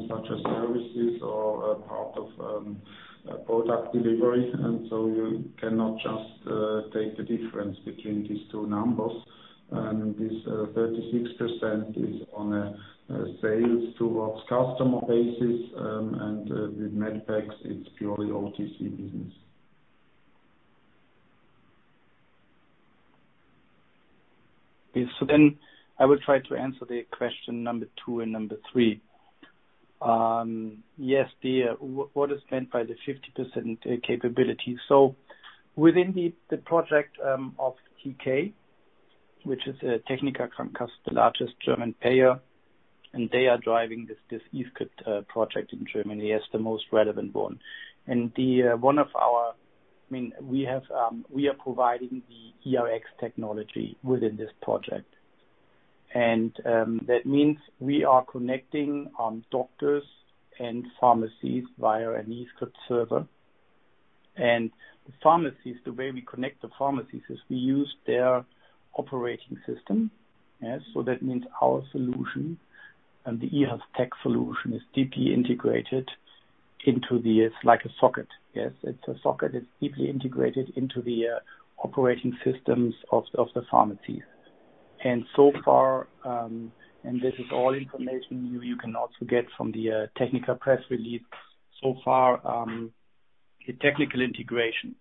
such as services or a part of product delivery, you cannot just take the difference between these two numbers. This 36% is on a sales towards customer basis, and with Medpex, it's purely OTC business. I will try to answer the question number two and number three. What is meant by the 50% capability. Within the project of TK, which is Techniker Krankenkasse, the largest German payer, they are driving this e-script project in Germany as the most relevant one. We are providing the eRx technology within this project. That means we are connecting doctors and pharmacies via an e-script server. The pharmacies, the way we connect the pharmacies is we use their operating system. That means our solution and the eHealth-Tec solution is deeply integrated. It's like a socket. It's a socket that's deeply integrated into the operating systems of the pharmacies. This is all information you can also get from the Techniker press release. Far, the technical integration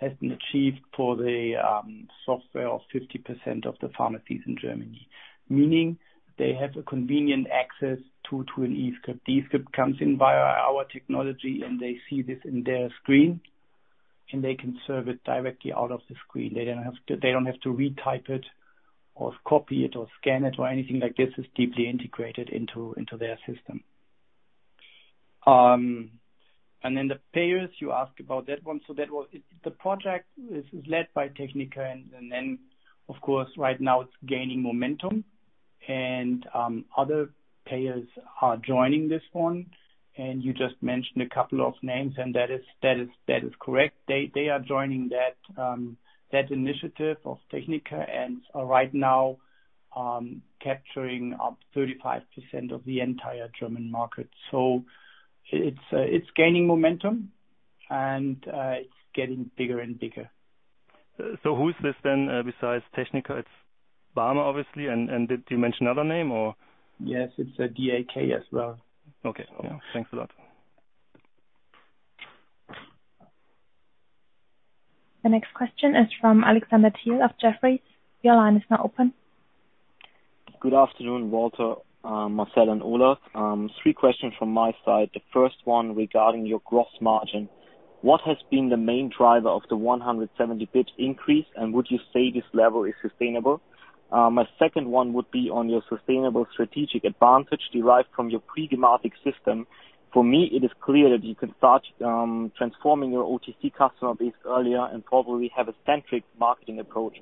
has been achieved for the software of 50% of the pharmacies in Germany, meaning they have a convenient access to an e-script. The e-script comes in via our technology, and they see this in their screen, and they can serve it directly out of the screen. They don't have to retype it or copy it or scan it or anything like this. It's deeply integrated into their system. The payers, you ask about that one. The project is led by Techniker, and then, of course, right now it's gaining momentum. Other payers are joining this one, and you just mentioned a couple of names, and that is correct. They are joining that initiative of Techniker and are right now capturing up 35% of the entire German market. It's gaining momentum and it's getting bigger and bigger. Who is this then, besides Techniker? It's BARMER, obviously, and did you mention other name or? Yes, it's DAK-Gesundheit as well. Okay. Thanks a lot. The next question is from Alexander Thiel of Jefferies. Good afternoon, Walter, Marcel, and Olaf. Three questions from my side. The first one regarding your gross margin. What has been the main driver of the 170 basis points increase, and would you say this level is sustainable? My second one would be on your sustainable strategic advantage derived from your pre-gematik system. For me, it is clear that you can start transforming your OTC customer base earlier and probably have a centric marketing approach.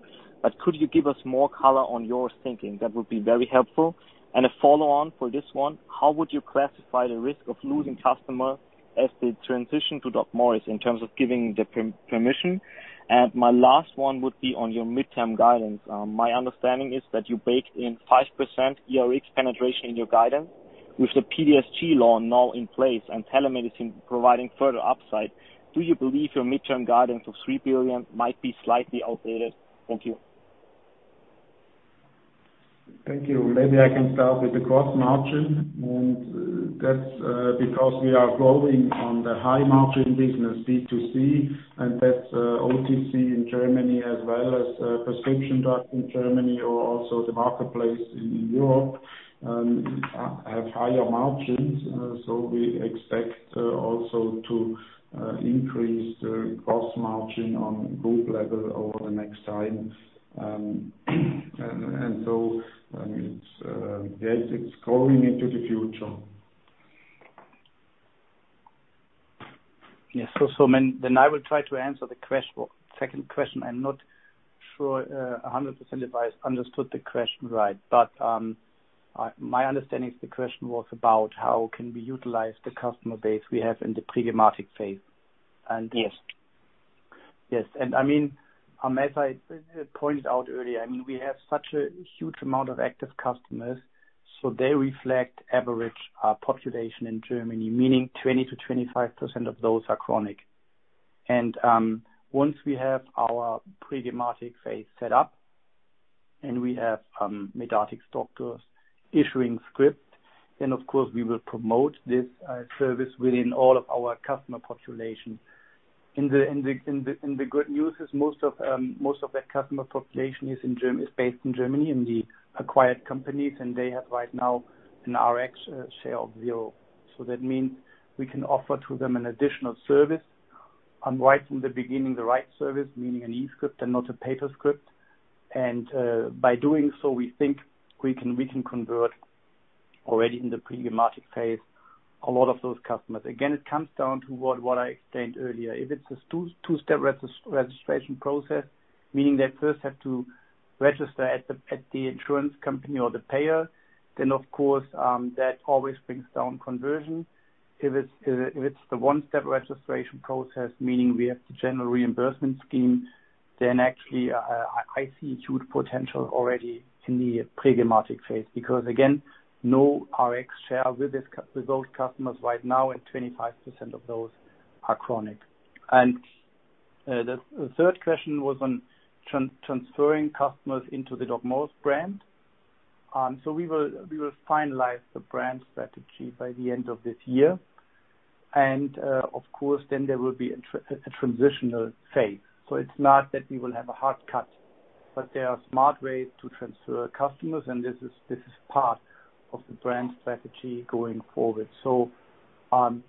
Could you give us more color on your thinking? That would be very helpful and a follow on for this one. How would you classify the risk of losing customer as they transition to DocMorris in terms of giving the permission? My last one would be on your midterm guidance. My understanding is that you baked in 5% eRx penetration in your guidance with the PDSG law now in place and telemedicine providing further upside. Do you believe your midterm guidance of 3 billion might be slightly outdated? Thank you. Thank you. Maybe I can start with the gross margin, and that's because we are growing on the high margin business, B2C, and that's OTC in Germany as well as prescription drug in Germany or also the marketplace in Europe have higher margins. We expect also to increase the gross margin on group level over the next time. It's growing into the future. Yes. I will try to answer the second question. I'm not sure 100% if I understood the question right, but my understanding is the question was about how can we utilize the customer base we have in the pre-gematic phase. Yes Yes, as I pointed out earlier, we have such a huge amount of active customers, so they reflect average population in Germany, meaning 20%-25% of those are chronic. Once we have our pre-gematik phase set up and we have medatixx doctors issuing script, then of course we will promote this service within all of our customer population. The good news is most of that customer population is based in Germany in the acquired companies, and they have right now an RX share of zero. That means we can offer to them an additional service right from the beginning, the right service, meaning an e-script and not a paper script. By doing so, we think we can convert already in the pre-gematik phase a lot of those customers. Again, it comes down to what I explained earlier. If it's a two-step registration process, meaning they first have to register at the insurance company or the payer, then of course, that always brings down conversion. If it's the one-step registration process, meaning we have the general reimbursement scheme, then actually I see huge potential already in the pre-diabetic phase, because again, no RX share with those customers right now and 25% of those are chronic. The third question was on transferring customers into the DocMorris brand. We will finalize the brand strategy by the end of this year. Of course, then there will be a transitional phase. It's not that we will have a hard cut, but there are smart ways to transfer customers, and this is part of the brand strategy going forward. An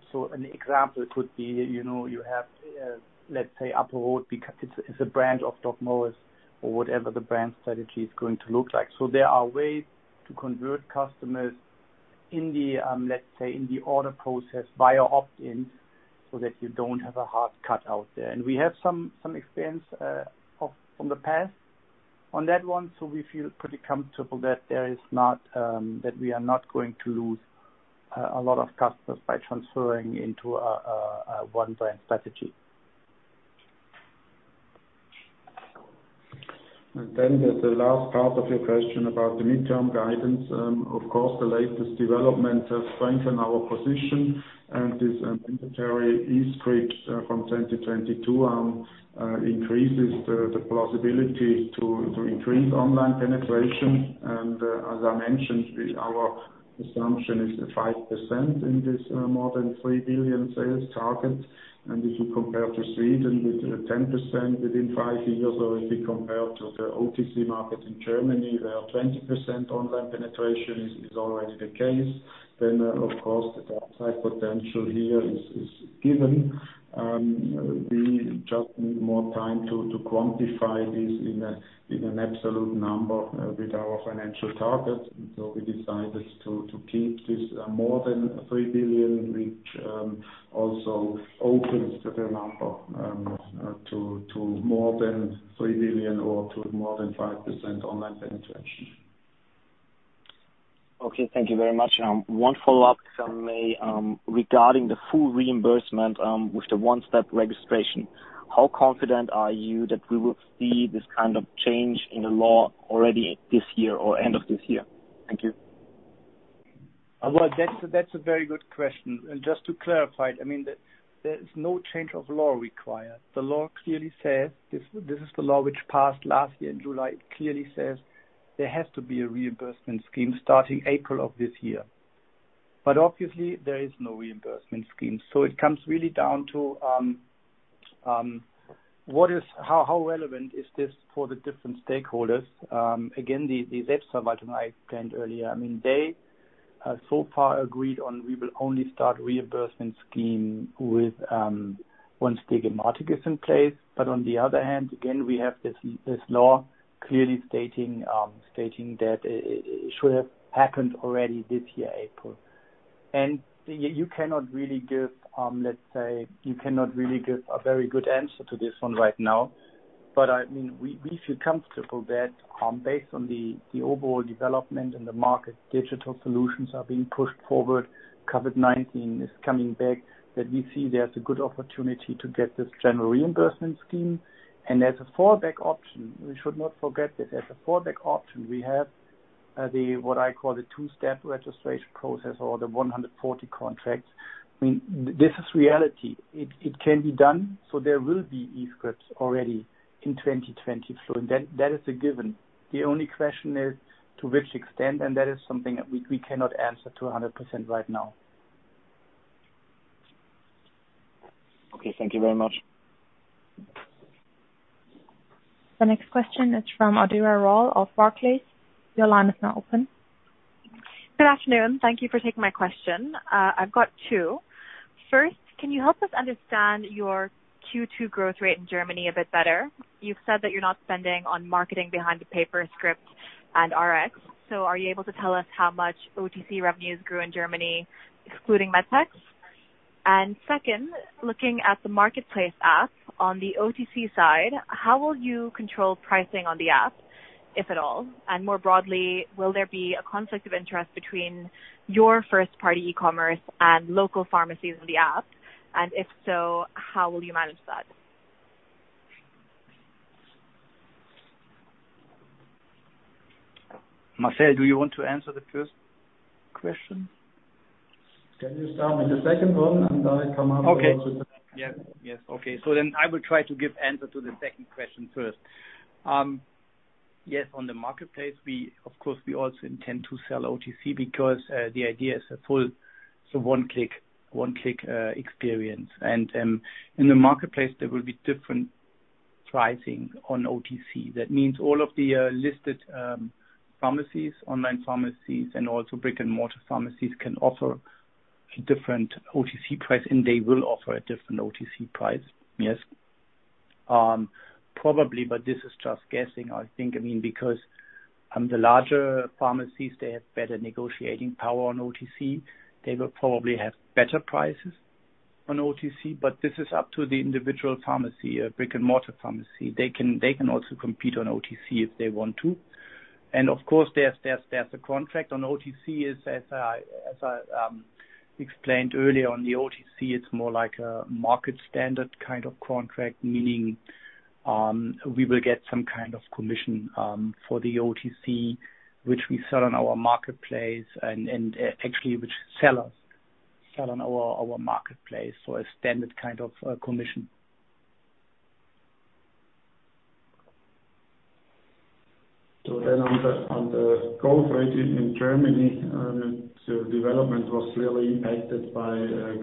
example could be, you have, let's say, Apotal, because it's a branch of DocMorris or whatever the brand strategy is going to look like. There are ways to convert customers, let's say, in the order process via opt-in so that you don't have a hard cut out there. We have some experience from the past on that one. We feel pretty comfortable that we are not going to lose a lot of customers by transferring into our one brand strategy. The last part of your question about the midterm guidance. Of course, the latest development has strengthened our position and this temporary e-script from 2022 increases the plausibility to increase online penetration. As I mentioned, our assumption is 5% in this more than 3 billion sales target. If you compare to Sweden with 10% within five years, or if you compare to the OTC market in Germany, where 20% online penetration is already the case, then of course the upside potential here is given. We just need more time to quantify this in an absolute number with our financial target. We decided to keep this more than 3 billion, which also opens the number to more than 3 billion or to more than 5% online penetration. Okay, thank you very much. One follow-up, if I may, regarding the full reimbursement with the one-step registration. How confident are you that we will see this kind of change in the law already this year or end of this year? Thank you. Well, that's a very good question. Just to clarify, there is no change of law required. The law clearly says, this is the law which passed last year in July. It clearly says there has to be a reimbursement scheme starting April of this year, but obviously there is no reimbursement scheme. It comes really down to how relevant is this for the different stakeholders. Again, the Selbstverwaltung item I explained earlier, they so far agreed on we will only start reimbursement scheme with once gematik is in place. On the other hand, again, we have this law clearly stating that it should have happened already this year, April. You cannot really give a very good answer to this one right now, but we feel comfortable that based on the overall development and the market digital solutions are being pushed forward, COVID-19 is coming back, that we see there's a good opportunity to get this general reimbursement scheme. As a fallback option, we should not forget that as a fallback option, we have the, what I call the two-step registration process or the 140 contracts. This is reality. It can be done, so there will be e-scripts already in 2020, and that is a given. The only question is to which extent, and that is something that we cannot answer 200% right now. Okay, thank you very much. The next question is from Gonzalo Ardura of Barclays. Your line is now open. Good afternoon. Thank you for taking my question. I've got two. First, can you help us understand your Q2 growth rate in Germany a bit better? You've said that you're not spending on marketing behind the paper script and RX. Are you able to tell us how much OTC revenues grew in Germany, excluding Medpex? Second, looking at the marketplace app on the OTC side, how will you control pricing on the app, if at all? More broadly, will there be a conflict of interest between your first party e-commerce and local pharmacies on the app? If so, how will you manage that? Marcel, do you want to answer the first question? Can you start with the second one, and I come up. Okay. Yes. Okay. I will try to give answer to the second question first. Yes, on the marketplace, of course, we also intend to sell OTC because, the idea is a full one-click experience. In the marketplace, there will be different pricing on OTC. That means all of the listed pharmacies, online pharmacies, and also brick-and-mortar pharmacies can offer different OTC price, and they will offer a different OTC price. Yes. Probably, but this is just guessing, I think, because the larger pharmacies, they have better negotiating power on OTC. They will probably have better prices on OTC, but this is up to the individual pharmacy, brick-and-mortar pharmacy. They can also compete on OTC if they want to. Of course, there's a contract on OTC. As I explained earlier, on the OTC, it is more like a market standard kind of contract, meaning we will get some kind of commission for the OTC, which we sell on our marketplace and actually, which sellers sell on our marketplace. A standard kind of commission. On the growth rate in Germany, the development was really impacted by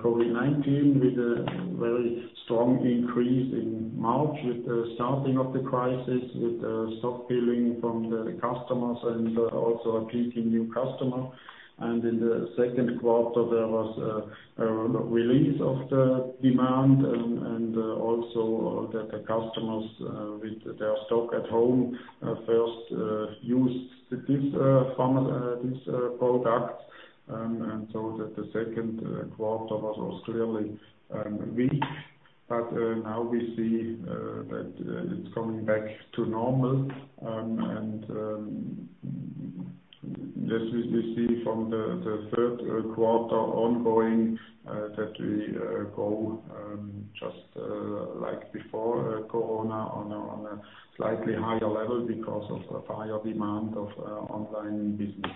COVID-19 with a very strong increase in March with the starting of the crisis, with the stock building from the customers and also attracting new customer. In the second quarter, there was a release of the demand and also that the customers with their stock at home first used these products. The second quarter was clearly weak. Now we see that it's coming back to normal, and this we see from the third quarter ongoing, that we grow just like before Corona on a slightly higher level because of a higher demand of online business.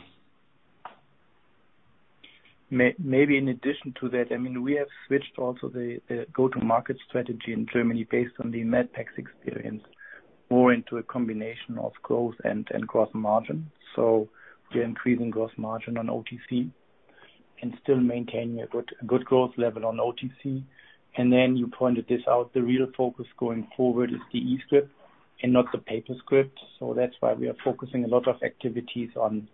Maybe in addition to that, we have switched also the go-to-market strategy in Germany based on the Medpex experience, more into a combination of growth and gross margin. We are increasing gross margin on OTC and still maintaining a good growth level on OTC. Then you pointed this out, the real focus going forward is the e-script and not the paper script. That's why we are focusing a lot of activities on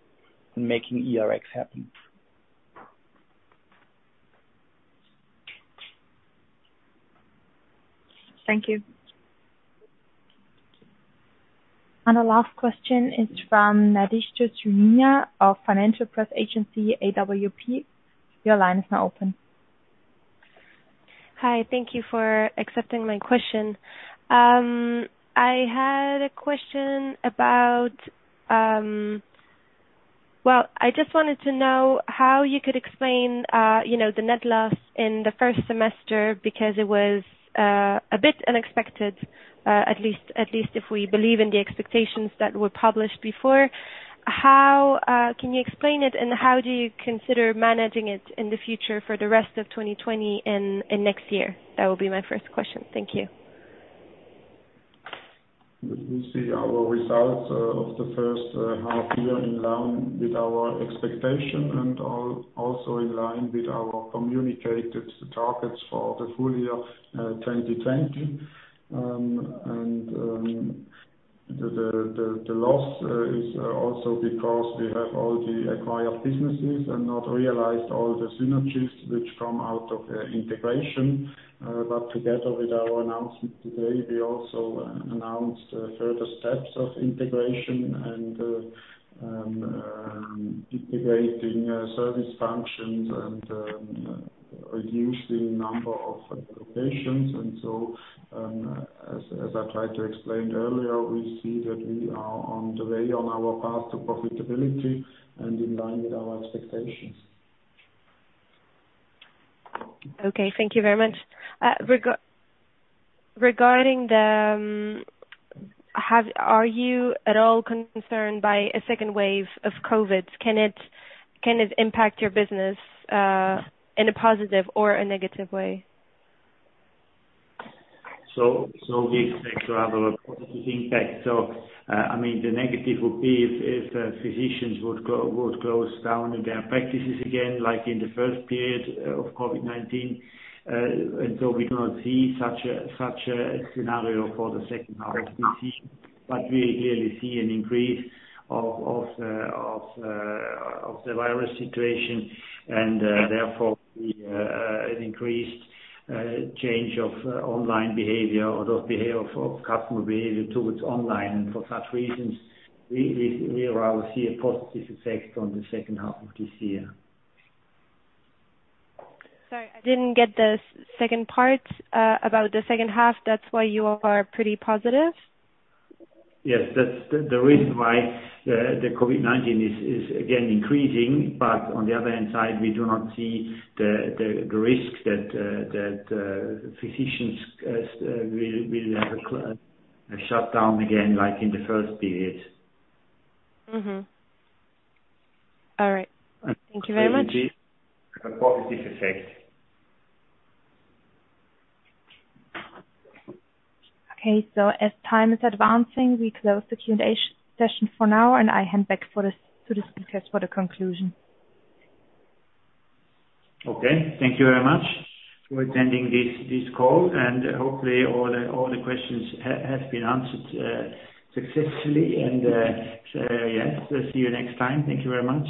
making eRx happen. Thank you. The last question is from Nadja von pharma of Financial Press Agency, AWP. Your line is now open. Hi. Thank you for accepting my question. I just wanted to know how you could explain the net loss in the first semester, because it was a bit unexpected, at least if we believe in the expectations that were published before. Can you explain it, and how do you consider managing it in the future for the rest of 2020 and next year? That would be my first question. Thank you. We see our results of the first half year in line with our expectation and also in line with our communicated targets for the full year 2020. The loss is also because we have all the acquired businesses and not realized all the synergies which come out of integration. Together with our announcement today, we also announced further steps of integration and integrating service functions and reducing number of locations. As I tried to explain earlier, we see that we are on the way on our path to profitability and in line with our expectations. Okay. Thank you very much. Are you at all concerned by a second wave of COVID? Can it impact your business in a positive or a negative way? We expect to have a positive impact. The negative would be if physicians would close down their practices again, like in the first period of COVID-19. We do not see such a scenario for the second half this year. We clearly see an increase of the virus situation and therefore an increased change of online behavior or customer behavior towards online. For such reasons, we rather see a positive effect on the second half of this year. Sorry, I didn't get the second part about the second half. That's why you are pretty positive? Yes. That's the reason why the COVID-19 is again increasing. On the other hand side, we do not see the risk that physicians will have a shutdown again, like in the first period. Mm-hmm. All right. Thank you very much. A positive effect. Okay, as time is advancing, we close the Q&A session for now, and I hand back to the speakers for the conclusion. Okay, thank you very much for attending this call, and hopefully all the questions have been answered successfully. Yes, see you next time. Thank you very much.